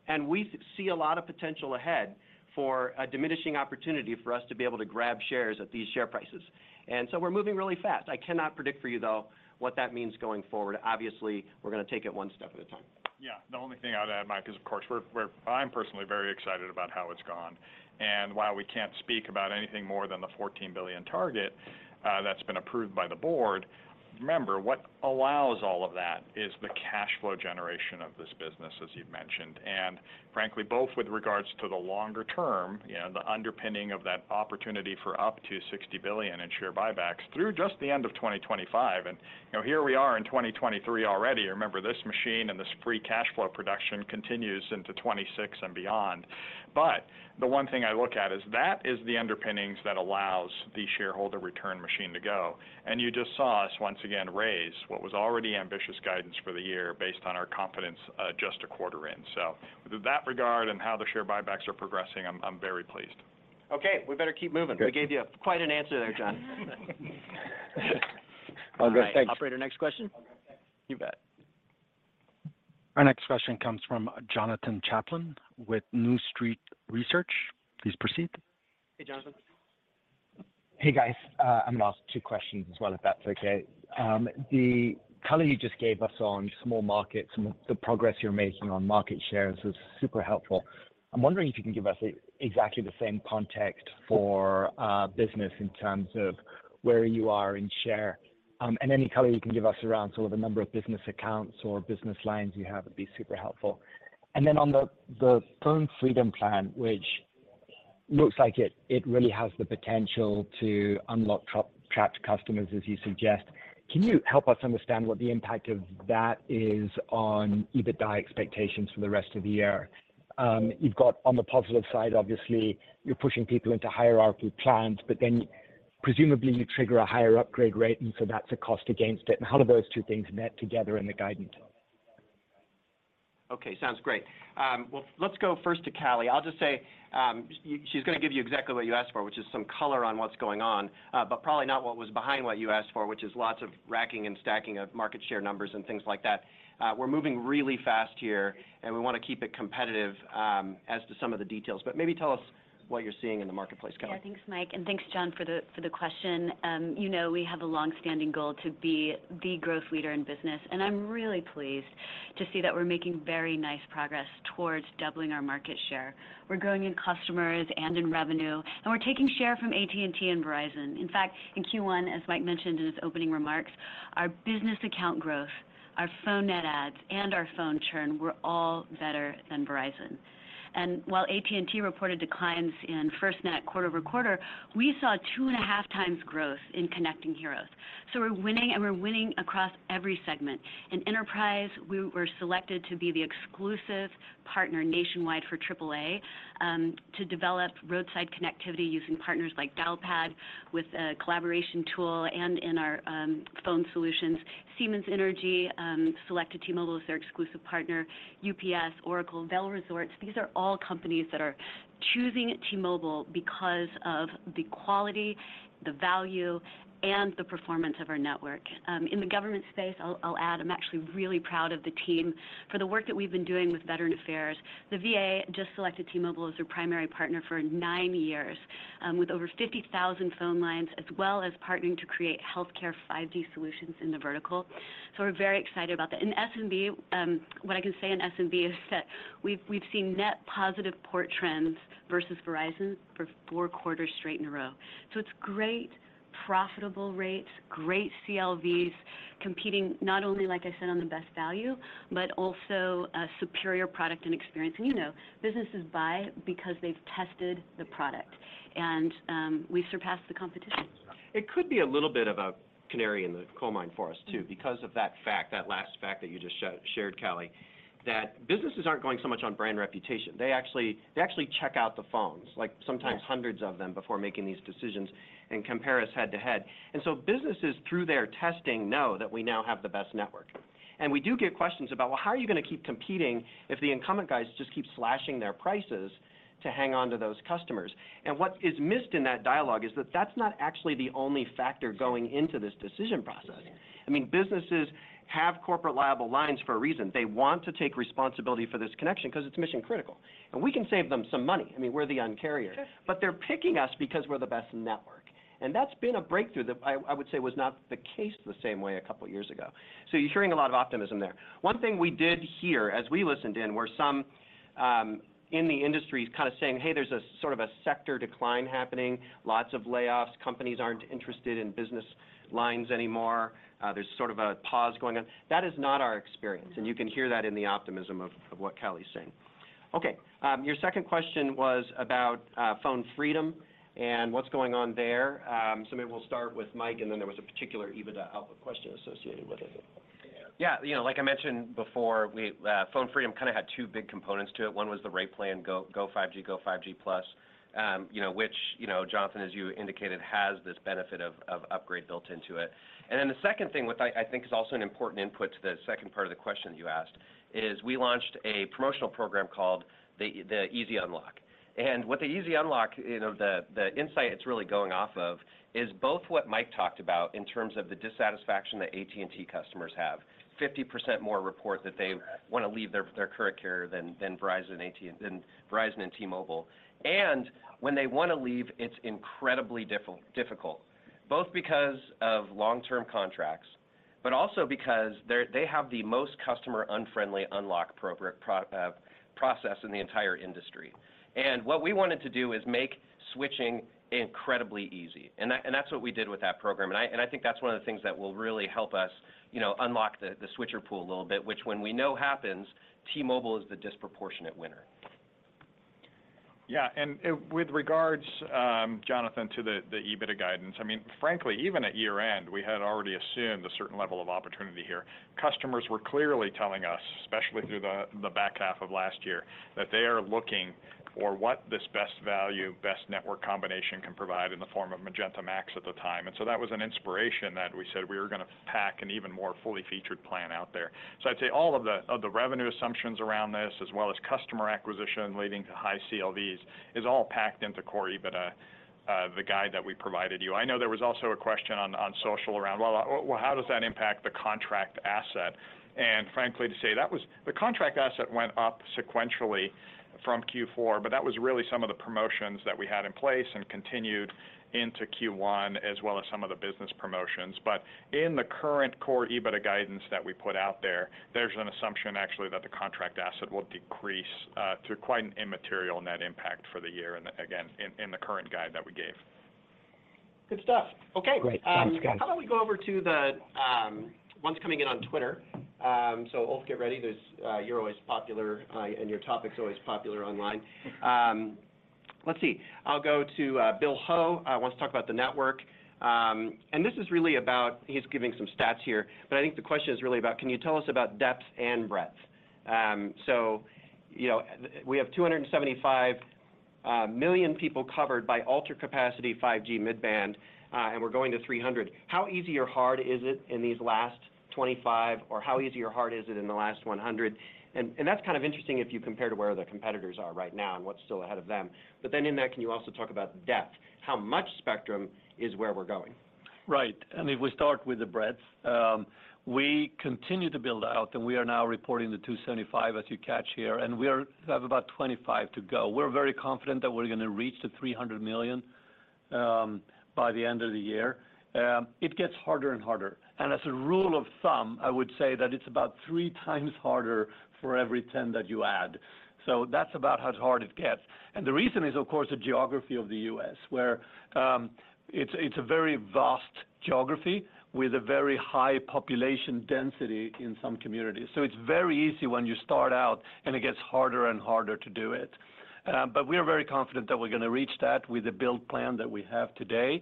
and we see a lot of potential ahead for a diminishing opportunity for us to be able to grab shares at these share prices. We're moving really fast. I cannot predict for you, though, what that means going forward. Obviously, we're going to take it one step at a time. Yeah. The only thing I'd add, Mike, is of course we're I'm personally very excited about how it's gone. While we can't speak about anything more than the $14 billion target, that's been approved by the board, remember, what allows all of that is the cash flow generation of this business, as you've mentioned. Frankly, both with regards to the longer term, you know, the underpinning of that opportunity for up to $60 billion in share buybacks through just the end of 2025. You know, here we are in 2023 already. Remember, this machine and this free cash flow production continues into 2026 and beyond. The one thing I look at is that is the underpinnings that allows the shareholder return machine to go. You just saw us once again raise what was already ambitious guidance for the year based on our confidence, just a quarter in. With that regard and how the share buybacks are progressing, I'm very pleased. Okay, we better keep moving. Good. We gave you quite an answer there, John. Operator, next- All right. Operator, next question. You bet. Our next question comes from Jonathan Chaplin with New Street Research. Please proceed. Hey, Jonathan. Hey, guys, I'm gonna ask two questions as well, if that's okay. The color you just gave us on small markets and the progress you're making on market shares was super helpful. I'm wondering if you can give us exactly the same context for business in terms of where you are in share. Any color you can give us around sort of the number of business accounts or business lines you have would be super helpful. Then on the Phone Freedom plan, which looks like it really has the potential to unlock trapped customers, as you suggest. Can you help us understand what the impact of that is on EBITDA expectations for the rest of the year? You've got on the positive side, obviously, you're pushing people into hierarchy plans, but then presumably you trigger a higher upgrade rate, and so that's a cost against it. How do those two things net together in the guidance? Okay, sounds great. Well, let's go first to Callie. I'll just say, she's gonna give you exactly what you asked for, which is some color on what's going on, but probably not what was behind what you asked for, which is lots of racking and stacking of market share numbers and things like that. We're moving really fast here, and we wanna keep it competitive, as to some of the details. Maybe tell us what you're seeing in the marketplace, Callie. Yeah. Thanks, Mike. Thanks Jon for the question. you know we have a long-standing goal to be the growth leader in business, and I'm really pleased to see that we're making very nice progress towards doubling our market share. We're growing in customers and in revenue, and we're taking share from AT&T and Verizon. In fact, in Q1, as Mike mentioned in his opening remarks, our business account growth, our phone net adds, and our phone churn were all better than Verizon. While AT&T reported declines in FirstNet quarter-over-quarter, we saw two and a half times growth in Connecting Heroes. We're winning, and we're winning across every segment. In enterprise, we were selected to be the exclusive partner nationwide for AAA, to develop roadside connectivity using partners like Dialpad with a collaboration tool and in our phone solutions. Siemens Energy, selected T-Mobile as their exclusive partner, UPS, Oracle, Vail Resorts. These are all companies that are choosing T-Mobile because of the quality, the value, and the performance of our network. In the government space, I'll add, I'm actually really proud of the team for the work that we've been doing with Veterans Affairs. The VA just selected T-Mobile as their primary partner for nine years, with over 50,000 phone lines, as well as partnering to create healthcare 5G solutions in the vertical. We're very excited about that. In SMB, what I can say in SMB is that we've seen net positive port trends versus Verizon for four quarters straight in a row. it's great- Profitable rates, great CLVs, competing not only, like I said, on the best value, but also a superior product and experience. You know, businesses buy because they've tested the product, and we've surpassed the competition. It could be a little bit of a canary in the coal mine for us too because of that fact, that last fact that you just shared, Callie, that businesses aren't going so much on brand reputation. They actually check out the phones, like sometimes hundreds of them, before making these decisions and compare us head-to-head. Businesses, through their testing, know that we now have the best network. We do get questions about, "Well, how are you gonna keep competing if the incumbent guys just keep slashing their prices to hang on to those customers?" What is missed in that dialogue is that that's not actually the only factor going into this decision process. I mean, businesses have corporate liable lines for a reason. They want to take responsibility for this connection because it's mission critical, and we can save them some money. I mean, we're the Un-carrier. They're picking us because we're the best network, and that's been a breakthrough that I would say was not the case the same way a couple years ago. You're hearing a lot of optimism there. One thing we did hear as we listened in were some in the industry kind of saying, "Hey, there's a sort of a sector decline happening, lots of layoffs. Companies aren't interested in business lines anymore. There's sort of a pause going on." That is not our experience, and you can hear that in the optimism of what Callie's saying. Your second question was about Phone Freedom and what's going on there. Maybe we'll start with Mike, and then there was a particular EBITDA output question associated with it. Yeah, you know, like I mentioned before, Phone Freedom kind of had two big components to it. One was the rate plan Go 5G, Go 5G Plus, you know, which, you know, Jonathan, as you indicated, has this benefit of upgrade built into it. The second thing, which I think is also an important input to the second part of the question you asked is we launched a promotional program called the Easy Unlock. With the Easy Unlock, you know, the insight it's really going off of is both what Mike talked about in terms of the dissatisfaction that AT&T customers have. 50% more report that they want to leave their current carrier than Verizon and T-Mobile. When they want to leave, it's incredibly difficult, both because of long-term contracts, but also because they have the most customer-unfriendly unlock process in the entire industry. What we wanted to do is make switching incredibly easy, and that, and that's what we did with that program. I think that's one of the things that will really help us, you know, unlock the switcher pool a little bit, which when we know happens, T-Mobile is the disproportionate winner. With regards, Jonathan, to the EBITDA guidance, I mean, frankly, even at year-end, we had already assumed a certain level of opportunity here. Customers were clearly telling us, especially through the back half of last year, that they are looking for what this best value, best network combination can provide in the form of Magenta MAX at the time. That was an inspiration that we said we were gonna pack an even more fully featured plan out there. I'd say all of the revenue assumptions around this, as well as customer acquisition leading to high CLVs is all packed into core EBITDA, the guide that we provided you. I know there was also a question on social around, well, how does that impact the contract asset? Frankly, to say that was... The contract asset went up sequentially from Q4, but that was really some of the promotions that we had in place and continued into Q1, as well as some of the business promotions. In the current core EBITDA guidance that we put out there's an assumption actually that the contract asset will decrease to quite an immaterial net impact for the year and again, in the current guide that we gave. Good stuff. Okay. Great. Thanks, guys. How about we go over to the ones coming in on Twitter. Ulf, get ready. There's you're always popular, and your topic's always popular online. Let's see. I'll go to Bill Ho wants to talk about the network. This is really about, he's giving some stats here, but I think the question is really about, can you tell us about depth and breadth? You know, we have 275 million people covered by Ultra Capacity 5G mid-band, we're going to 300. How easy or hard is it in these last 25, or how easy or hard is it in the last 100? That's kind of interesting if you compare to where the competitors are right now and what's still ahead of them. In that, can you also talk about depth? How much spectrum is where we're going? Right. I mean, we start with the breadth. We continue to build out, we are now reporting the 275 as you catch here, and we have about 25 to go. We're very confident that we're gonna reach the 300 million by the end of the year. It gets harder and harder. As a rule of thumb, I would say that it's about 3x harder for every 10 that you add. That's about how hard it gets. The reason is, of course, the geography of the U.S., where it's a very vast geography with a very high population density in some communities. It's very easy when you start out, and it gets harder and harder to do it. We are very confident that we're gonna reach that with the build plan that we have today.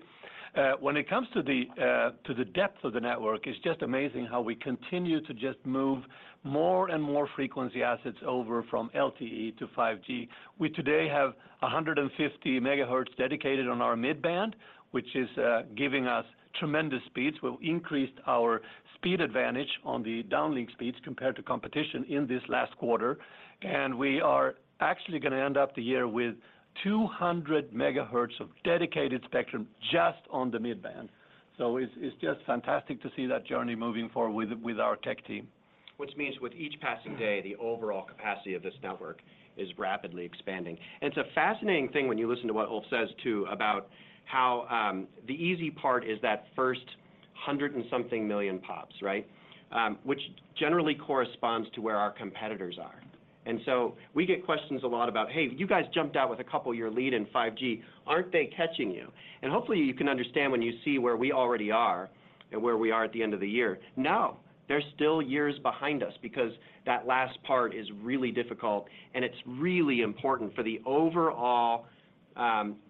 When it comes to the depth of the network, it's just amazing how we continue to just move more and more frequency assets over from LTE to 5G. We today have 150 MHz dedicated on our mid-band, which is giving us tremendous speeds. We've increased our speed advantage on the downlink speeds compared to competition in this last quarter, we are actually gonna end up the year with 200 MHz of dedicated spectrum just on the mid-band. It's just fantastic to see that journey moving forward with our tech team. Which means with each passing day, the overall capacity of this network is rapidly expanding. It's a fascinating thing when you listen to what Ulf says too, about how the easy part is that 100 and something million POPs, right? Which generally corresponds to where our competitors are. We get questions a lot about, "Hey, you guys jumped out with a two year lead in 5G. Aren't they catching you?" Hopefully you can understand when you see where we already are and where we are at the end of the year. No, they're still years behind us because that last part is really difficult, and it's really important for the overall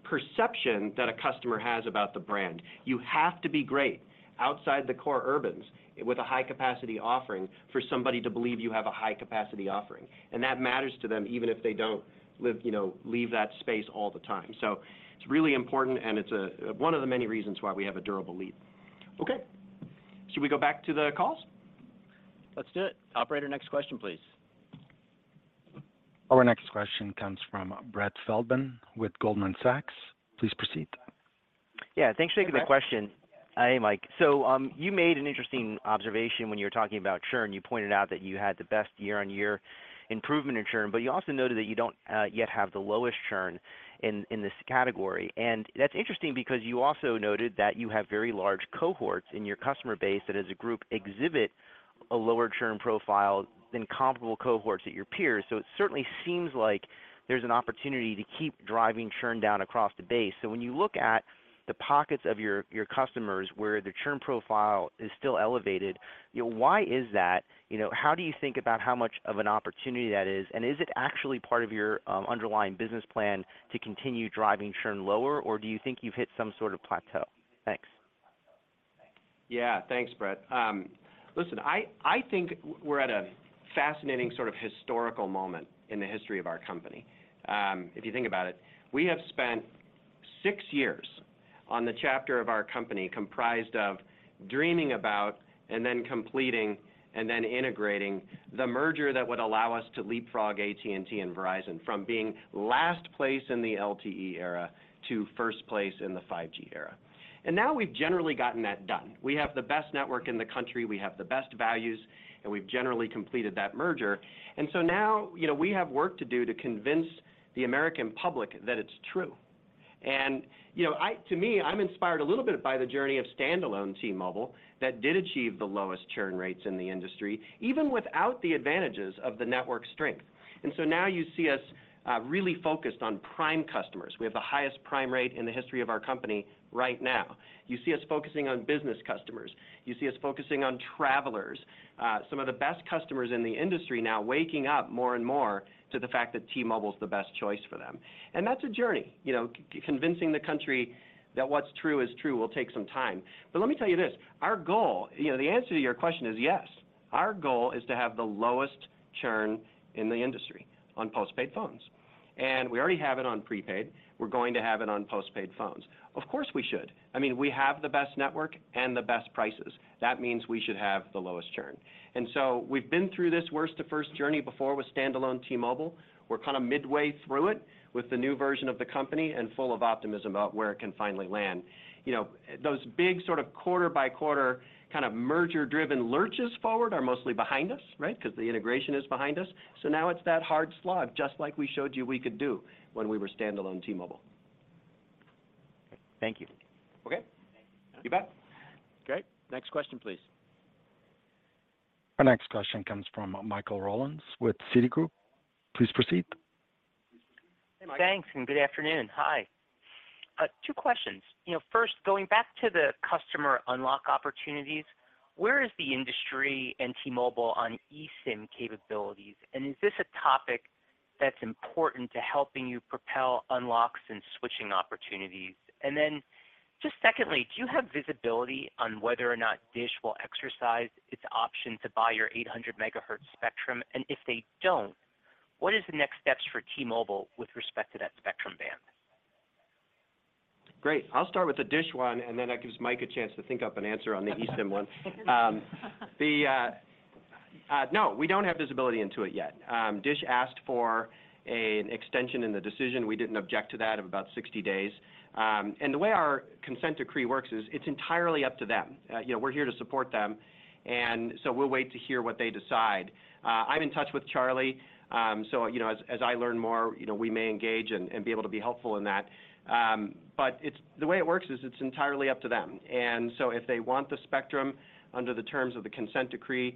perception that a customer has about the brand. You have to be great outside the core urbans with a high capacity offering for somebody to believe you have a high capacity offering. That matters to them, even if they don't live, you know, leave that space all the time. It's really important, and it's one of the many reasons why we have a durable lead. Okay. Should we go back to the calls? Let's do it. Operator, next question, please. Our next question comes from Brett Feldman with Goldman Sachs. Please proceed. Yeah. Thanks for taking the question. Hey, Brett. Hey, Mike. You made an interesting observation when you were talking about churn. You pointed out that you had the best year-over-year improvement in churn, but you also noted that you don't yet have the lowest churn in this category. That's interesting because you also noted that you have very large cohorts in your customer base that as a group exhibit a lower churn profile than comparable cohorts at your peers. It certainly seems like there's an opportunity to keep driving churn down across the base. When you look at the pockets of your customers where the churn profile is still elevated, you know, why is that? You know, how do you think about how much of an opportunity that is? Is it actually part of your underlying business plan to continue driving churn lower, or do you think you've hit some sort of plateau? Thanks. Yeah. Thanks, Brett. listen, I think we're at a fascinating sort of historical moment in the history of our company. If you think about it, we have spent 6 years on the chapter of our company comprised of dreaming about and then completing and then integrating the merger that would allow us to leapfrog AT&T and Verizon from being last place in the LTE era to first place in the 5G era. Now we've generally gotten that done. We have the best network in the country. We have the best values, and we've generally completed that merger. So now, you know, we have work to do to convince the American public that it's true. You know, to me, I'm inspired a little bit by the journey of standalone T-Mobile that did achieve the lowest churn rates in the industry, even without the advantages of the network strength. Now you see us really focused on prime customers. We have the highest prime rate in the history of our company right now. You see us focusing on business customers. You see us focusing on travelers. Some of the best customers in the industry now waking up more and more to the fact that T-Mobile is the best choice for them. That's a journey. You know, convincing the country that what's true is true will take some time. Let me tell you this, our goal. You know, the answer to your question is yes. Our goal is to have the lowest churn in the industry on postpaid phones. We already have it on prepaid. We're going to have it on postpaid phones. Of course, we should. I mean, we have the best network and the best prices. That means we should have the lowest churn. We've been through this worst to first journey before with standalone T-Mobile. We're kind of midway through it with the new version of the company and full of optimism about where it can finally land. You know, those big sort of quarter by quarter kind of merger-driven lurches forward are mostly behind us, right? Because the integration is behind us. Now it's that hard slog, just like we showed you we could do when we were standalone T-Mobile. Thank you. Okay. You bet. Great. Next question, please. Our next question comes from Michael Rollins with Citigroup. Please proceed. Hey, Mike. Thanks. Good afternoon. Hi. Two questions. You know, first, going back to the customer unlock opportunities, where is the industry and T-Mobile on eSIM capabilities? Is this a topic that's important to helping you propel unlocks and switching opportunities? Just secondly, do you have visibility on whether or not Dish will exercise its option to buy your 800 MHz spectrum? If they don't, what is the next steps for T-Mobile with respect to that spectrum band? Great. I'll start with the Dish one, and then that gives Mike a chance to think up an answer on the eSIM one. No, we don't have visibility into it yet. Dish asked for an extension in the decision, we didn't object to that, of about 60 days. The way our consent decree works is it's entirely up to them. You know, we're here to support them, we'll wait to hear what they decide. I'm in touch with Charlie. You know, as I learn more, you know, we may engage and be able to be helpful in that. But the way it works is it's entirely up to them. If they want the spectrum under the terms of the consent decree,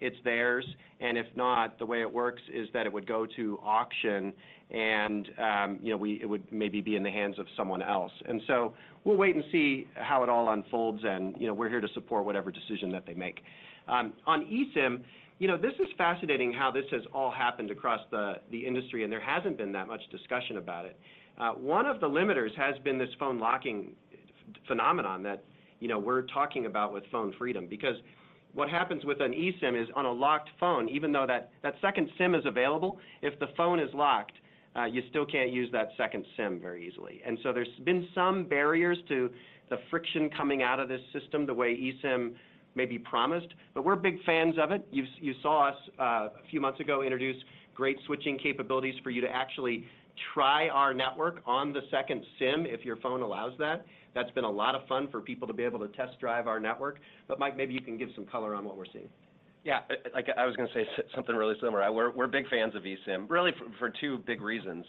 it's theirs. If not, the way it works is that it would go to auction, you know, it would maybe be in the hands of someone else. We'll wait and see how it all unfolds and, you know, we're here to support whatever decision that they make. On eSIM, you know, this is fascinating how this has all happened across the industry, and there hasn't been that much discussion about it. One of the limiters has been this phone locking phenomenon that, you know, we're talking about with Phone Freedom. Because what happens with an eSIM is on a locked phone, even though that second SIM is available, if the phone is locked, you still can't use that second SIM very easily. There's been some barriers to the friction coming out of this system, the way eSIM maybe promised. We're big fans of it. You saw us a few months ago, introduce great switching capabilities for you to actually try our network on the second SIM, if your phone allows that. That's been a lot of fun for people to be able to test drive our network. Mike, maybe you can give some color on what we're seeing. Yeah, like I was gonna say something really similar. We're big fans of eSIM, really for two big reasons.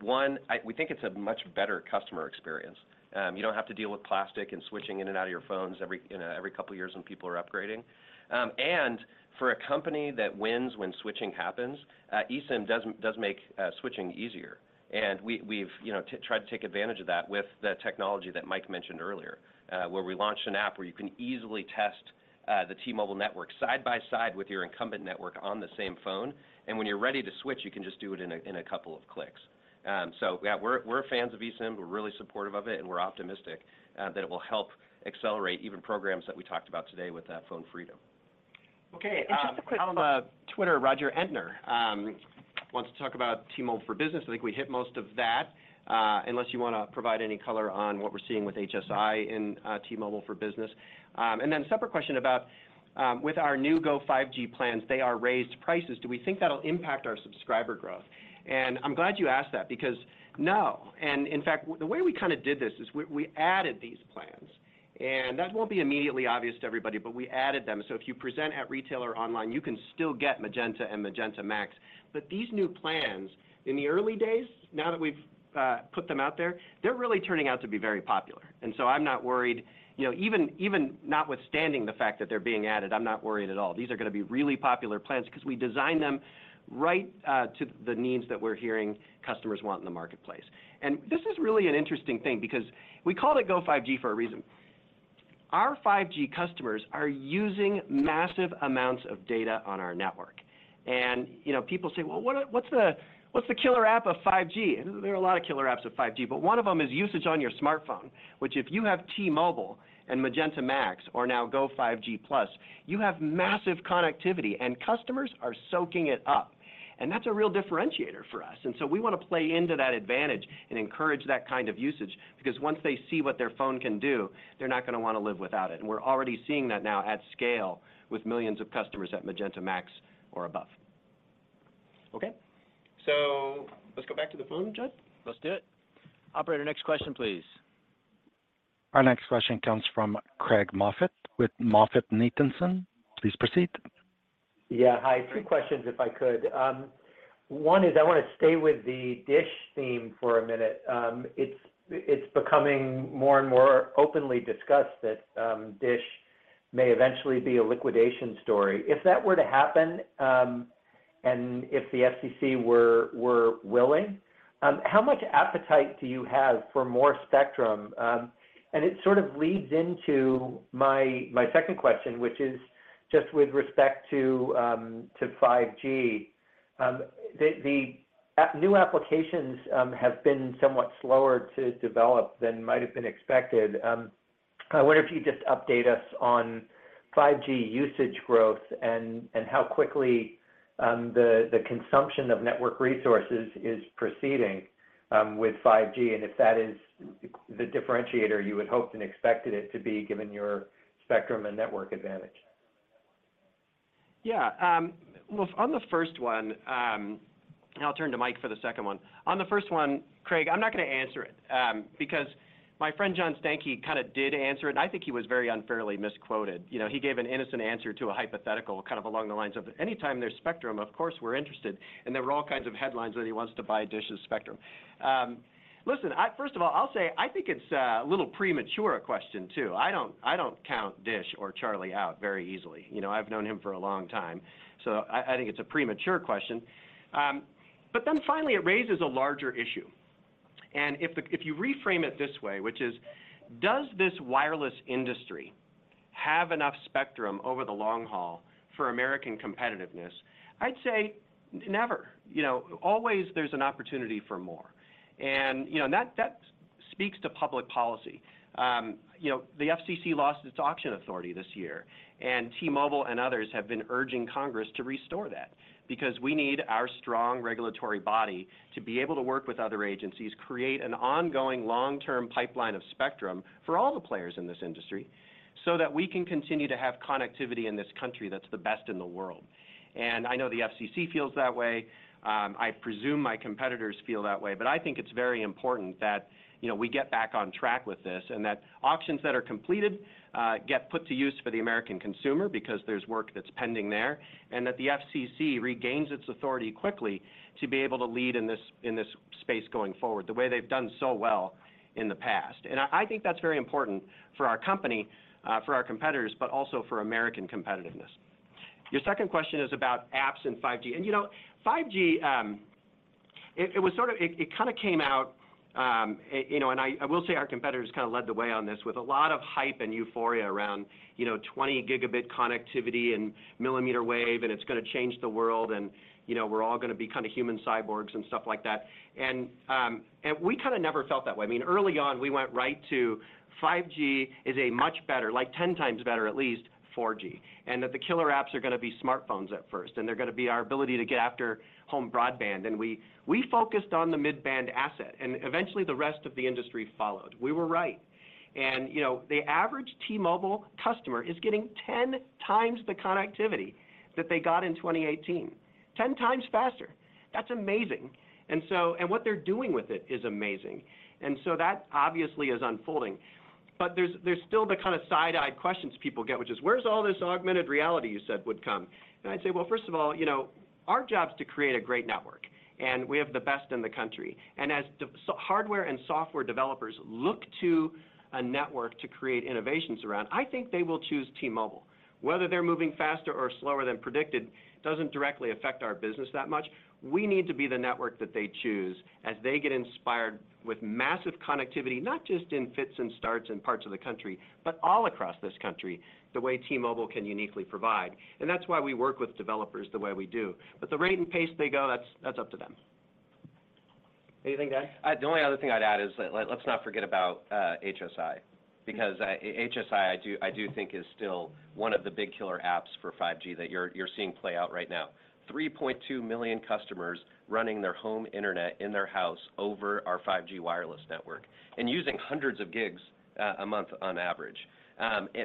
One, we think it's a much better customer experience. You don't have to deal with plastic and switching in and out of your phones every, you know, every couple years when people are upgrading. For a company that wins when switching happens, eSIM does make switching easier. We've, you know, tried to take advantage of that with the technology that Mike mentioned earlier, where we launched an app where you can easily test, the T-Mobile network side by side with your incumbent network on the same phone, and when you're ready to switch, you can just do it in a couple of clicks. Yeah, we're fans of eSIM. We're really supportive of it, and we're optimistic that it will help accelerate even programs that we talked about today with that Phone Freedom. And just a quick on Twitter, Roger Entner wants to talk about T-Mobile for Business. I think we hit most of that unless you wanna provide any color on what we're seeing with HSI and T-Mobile for Business. Then separate question about with our new Go5G plans, they are raised prices. Do we think that'll impact our subscriber growth? I'm glad you asked that because no. In fact, the way we kind of did this is we added these plans, and that won't be immediately obvious to everybody, but we added them. So if you present at retailer online, you can still get Magenta and Magenta MAX. These new plans, in the early days, now that we've put them out there, they're really turning out to be very popular. So I'm not worried. You know, even notwithstanding the fact that they're being added, I'm not worried at all. These are gonna be really popular plans 'cause we designed them right to the needs that we're hearing customers want in the marketplace. This is really an interesting thing because we called it Go5G for a reason. Our 5G customers are using massive amounts of data on our network. You know, people say, "Well, what's the killer app of 5G?" There are a lot of killer apps of 5G, one of them is usage on your smartphone, which if you have T-Mobile and Magenta MAX or now Go5G Plus, you have massive connectivity, customers are soaking it up. That's a real differentiator for us. We want to play into that advantage and encourage that kind of usage because once they see what their phone can do, they're not gonna want to live without it. We're already seeing that now at scale with millions of customers at Magenta MAX or above. Let's go back to the phone, Jud. Let's do it. Operator, next question, please. Our next question comes from Craig Moffett with MoffettNathanson. Please proceed. Yeah. Hi. Three questions if I could. One is I want to stay with the Dish theme for a minute. It's becoming more and more openly discussed that Dish may eventually be a liquidation story. If that were to happen, and if the FCC were willing, how much appetite do you have for more spectrum? It sort of leads into my second question, which is just with respect to 5G. The new applications have been somewhat slower to develop than might have been expected. I wonder if you'd just update us on 5G usage growth and how quickly the consumption of network resources is proceeding with 5G and if that is the differentiator you had hoped and expected it to be given your spectrum and network advantage. Yeah. Well, on the first one, I'll turn to Mike for the second one. On the first one, Craig, I'm not gonna answer it, because my friend John Stankey kind of did answer it, and I think he was very unfairly misquoted. You know, he gave an innocent answer to a hypothetical kind of along the lines of, "Anytime there's spectrum, of course we're interested." There were all kinds of headlines that he wants to buy Dish's spectrum. Listen, first of all, I'll say I think it's a little premature a question too. I don't count Dish or Charlie out very easily. You know, I've known him for a long time. I think it's a premature question. Finally it raises a larger issue. If the... if you reframe it this way, which is, does this wireless industry have enough spectrum over the long haul for American competitiveness? I'd say never. You know, always there's an opportunity for more. You know, and that speaks to public policy. You know, the FCC lost its auction authority this year, and T-Mobile and others have been urging Congress to restore that because we need our strong regulatory body to be able to work with other agencies, create an ongoing long-term pipeline of spectrum for all the players in this industry, so that we can continue to have connectivity in this country that's the best in the world. I know the FCC feels that way. I presume my competitors feel that way. I think it's very important that, you know, we get back on track with this and that auctions that are completed, get put to use for the American consumer because there's work that's pending there, and that the FCC regains its authority quickly to be able to lead in this, in this space going forward, the way they've done so well in the past. I think that's very important for our company, for our competitors, but also for American competitiveness. Your second question is about apps and 5G. You know, 5G, it was sort of... it kind of came out, you know, I will say our competitors kind of led the way on this with a lot of hype and euphoria around, you know, 20 gigabit connectivity and millimeter wave, and it's gonna change the world, you know, we're all gonna be kind of human cyborgs and stuff like that. we kind of never felt that way. I mean, early on, we went right to 5G is a much better, like 10 times better at least, 4G, and that the killer apps are gonna be smartphones at first, and they're gonna be our ability to get after home broadband. we focused on the mid-band asset, and eventually the rest of the industry followed. We were right. you know, the average T-Mobile customer is getting 10x the connectivity that they got in 2018. Ten times faster. That's amazing. what they're doing with it is amazing. That obviously is unfolding. there's still the kind of side-eye questions people get, which is where's all this augmented reality you said would come? I'd say, well, first of all, you know, our job is to create a great network, and we have the best in the country. hardware and software developers look to a network to create innovations around, I think they will choose T-Mobile. Whether they're moving faster or slower than predicted doesn't directly affect our business that much. We need to be the network that they choose as they get inspired with massive connectivity, not just in fits and starts in parts of the country, but all across this country, the way T-Mobile can uniquely provide. That's why we work with developers the way we do. The rate and pace they go, that's up to them. Anything to add? The only other thing I'd add is that let's not forget about HSI. HSI, I do think is still one of the big killer apps for 5G that you're seeing play out right now. 3.2 million customers running their home internet in their house over our 5G wireless network and using hundreds of gigs a month on average.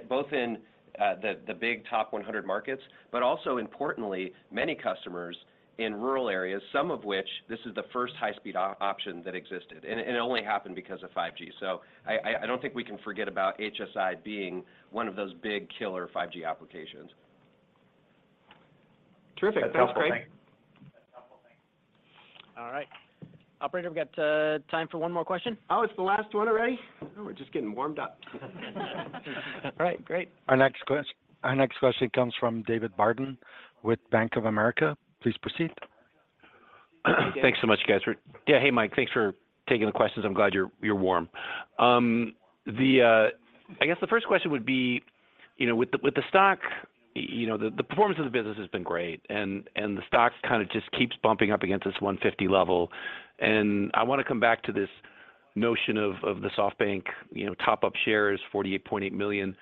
Both in the big top 100 markets, also importantly, many customers in rural areas, some of which this is the first high-speed option that existed, and it only happened because of 5G. I don't think we can forget about HSI being one of those big killer 5G applications. Terrific. That's great. That's helpful. Thanks. All right. Operator, we've got time for one more question. Oh, it's the last one already? Oh, we're just getting warmed up. All right, great. Our next question comes from David Barden with Bank of America. Please proceed. Thanks so much, guys. Yeah. Hey, Mike. Thanks for taking the questions. I'm glad you're warm. I guess the first question would be, you know, with the stock, you know, the performance of the business has been great, and the stock kind of just keeps bumping up against this 150 level. I wanna come back to this notion of the SoftBank, you know, top up shares, 48.8 million.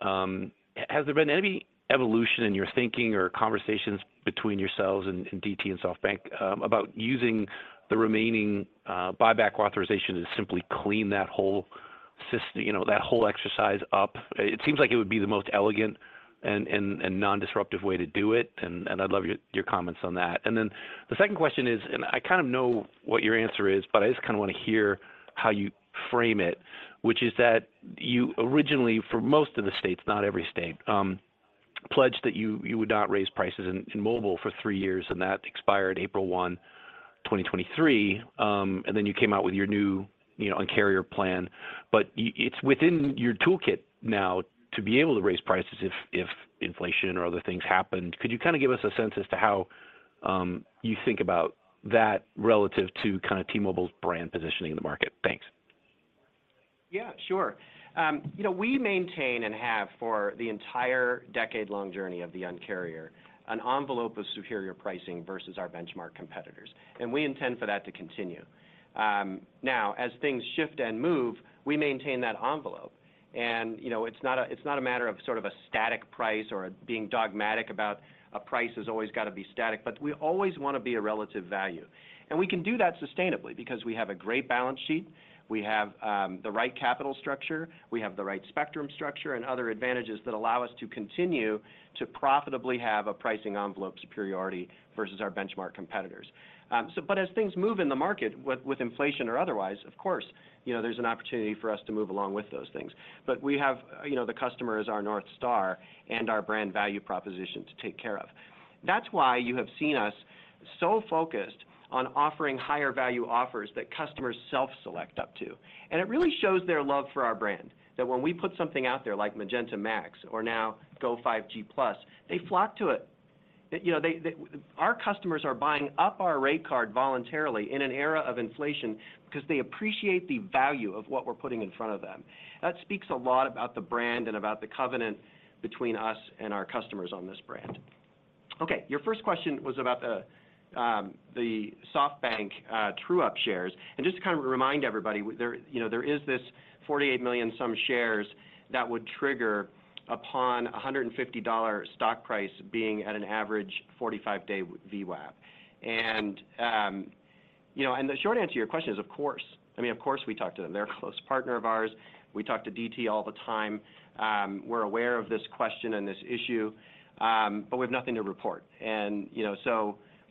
Has there been any evolution in your thinking or conversations between yourselves and DT and SoftBank about using the remaining buyback authorization to simply clean that whole, you know, that whole exercise up? It seems like it would be the most elegant and non-disruptive way to do it, and I'd love your comments on that. The second question is, I kind of know what your answer is, but I just kinda wanna hear how you frame it, which is that you originally, for most of the states, not every state, pledged that you would not raise prices in T-Mobile for three years, and that expired April 1, 2023. You came out with your new, you know, Un-carrier plan. It's within your toolkit now to be able to raise prices if inflation or other things happened. Could you kinda give us a sense as to how you think about that relative to kinda T-Mobile's brand positioning in the market? Thanks. Yeah, sure. you know, we maintain and have for the entire decade-long journey of the Un-carrier, an envelope of superior pricing versus our benchmark competitors, and we intend for that to continue. Now, as things shift and move, we maintain that envelope. you know, it's not a matter of sort of a static price or being dogmatic about a price has always gotta be static, but we always wanna be a relative value. We can do that sustainably because we have a great balance sheet, we have the right capital structure, we have the right spectrum structure and other advantages that allow us to continue to profitably have a pricing envelope superiority versus our benchmark competitors. As things move in the market, with inflation or otherwise, of course, you know, there's an opportunity for us to move along with those things. We have, you know, the customer as our North Star and our brand value proposition to take care of. That's why you have seen us so focused on offering higher value offers that customers self-select up to. It really shows their love for our brand, that when we put something out there like Magenta MAX or now Go5G Plus, they flock to it. You know, Our customers are buying up our rate card voluntarily in an era of inflation because they appreciate the value of what we're putting in front of them. That speaks a lot about the brand and about the covenant between us and our customers on this brand. Okay, your first question was about the SoftBank true up shares. Just to kind of remind everybody, you know, there is this 48 million some shares that would trigger upon a $150 stock price being at an average 45-day VWAP. The short answer to your question is of course. I mean, of course, we talk to them. They're a close partner of ours. We talk to DT all the time. We're aware of this question and this issue, but we have nothing to report. You know,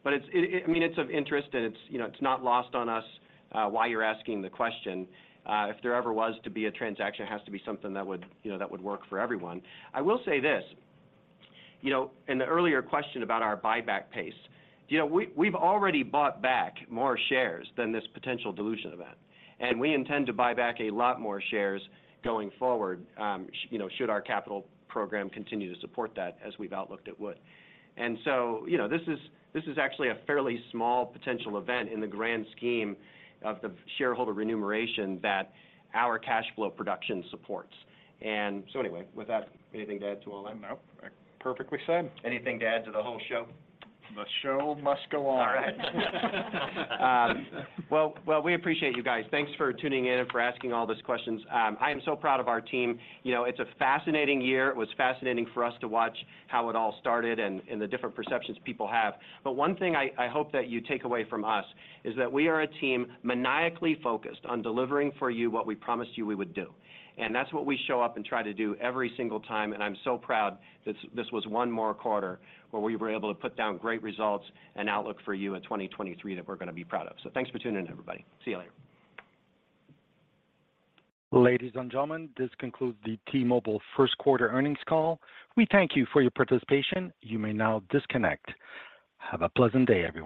I mean, it's of interest, and it's, you know, it's not lost on us why you're asking the question. If there ever was to be a transaction, it has to be something that would, you know, that would work for everyone. I will say this: You know, in the earlier question about our buyback pace, you know, we've already bought back more shares than this potential dilution event, and we intend to buy back a lot more shares going forward, you know, should our capital program continue to support that as we've outlooked it would. You know, this is actually a fairly small potential event in the grand scheme of the shareholder remuneration that our cash flow production supports. With that, anything to add to all that? Perfectly said. Anything to add to the whole show? The show must go on. All right. Well, we appreciate you guys. Thanks for tuning in and for asking all those questions. I am so proud of our team. You know, it's a fascinating year. It was fascinating for us to watch how it all started and the different perceptions people have. One thing I hope that you take away from us is that we are a team maniacally focused on delivering for you what we promised you we would do. That's what we show up and try to do every single time, and I'm so proud this was one more quarter where we were able to put down great results and outlook for you in 2023 that we're gonna be proud of. Thanks for tuning in, everybody. See you later. Ladies and gentlemen, this concludes the T-Mobile first quarter earnings call. We thank you for your participation. You may now disconnect. Have a pleasant day, everyone.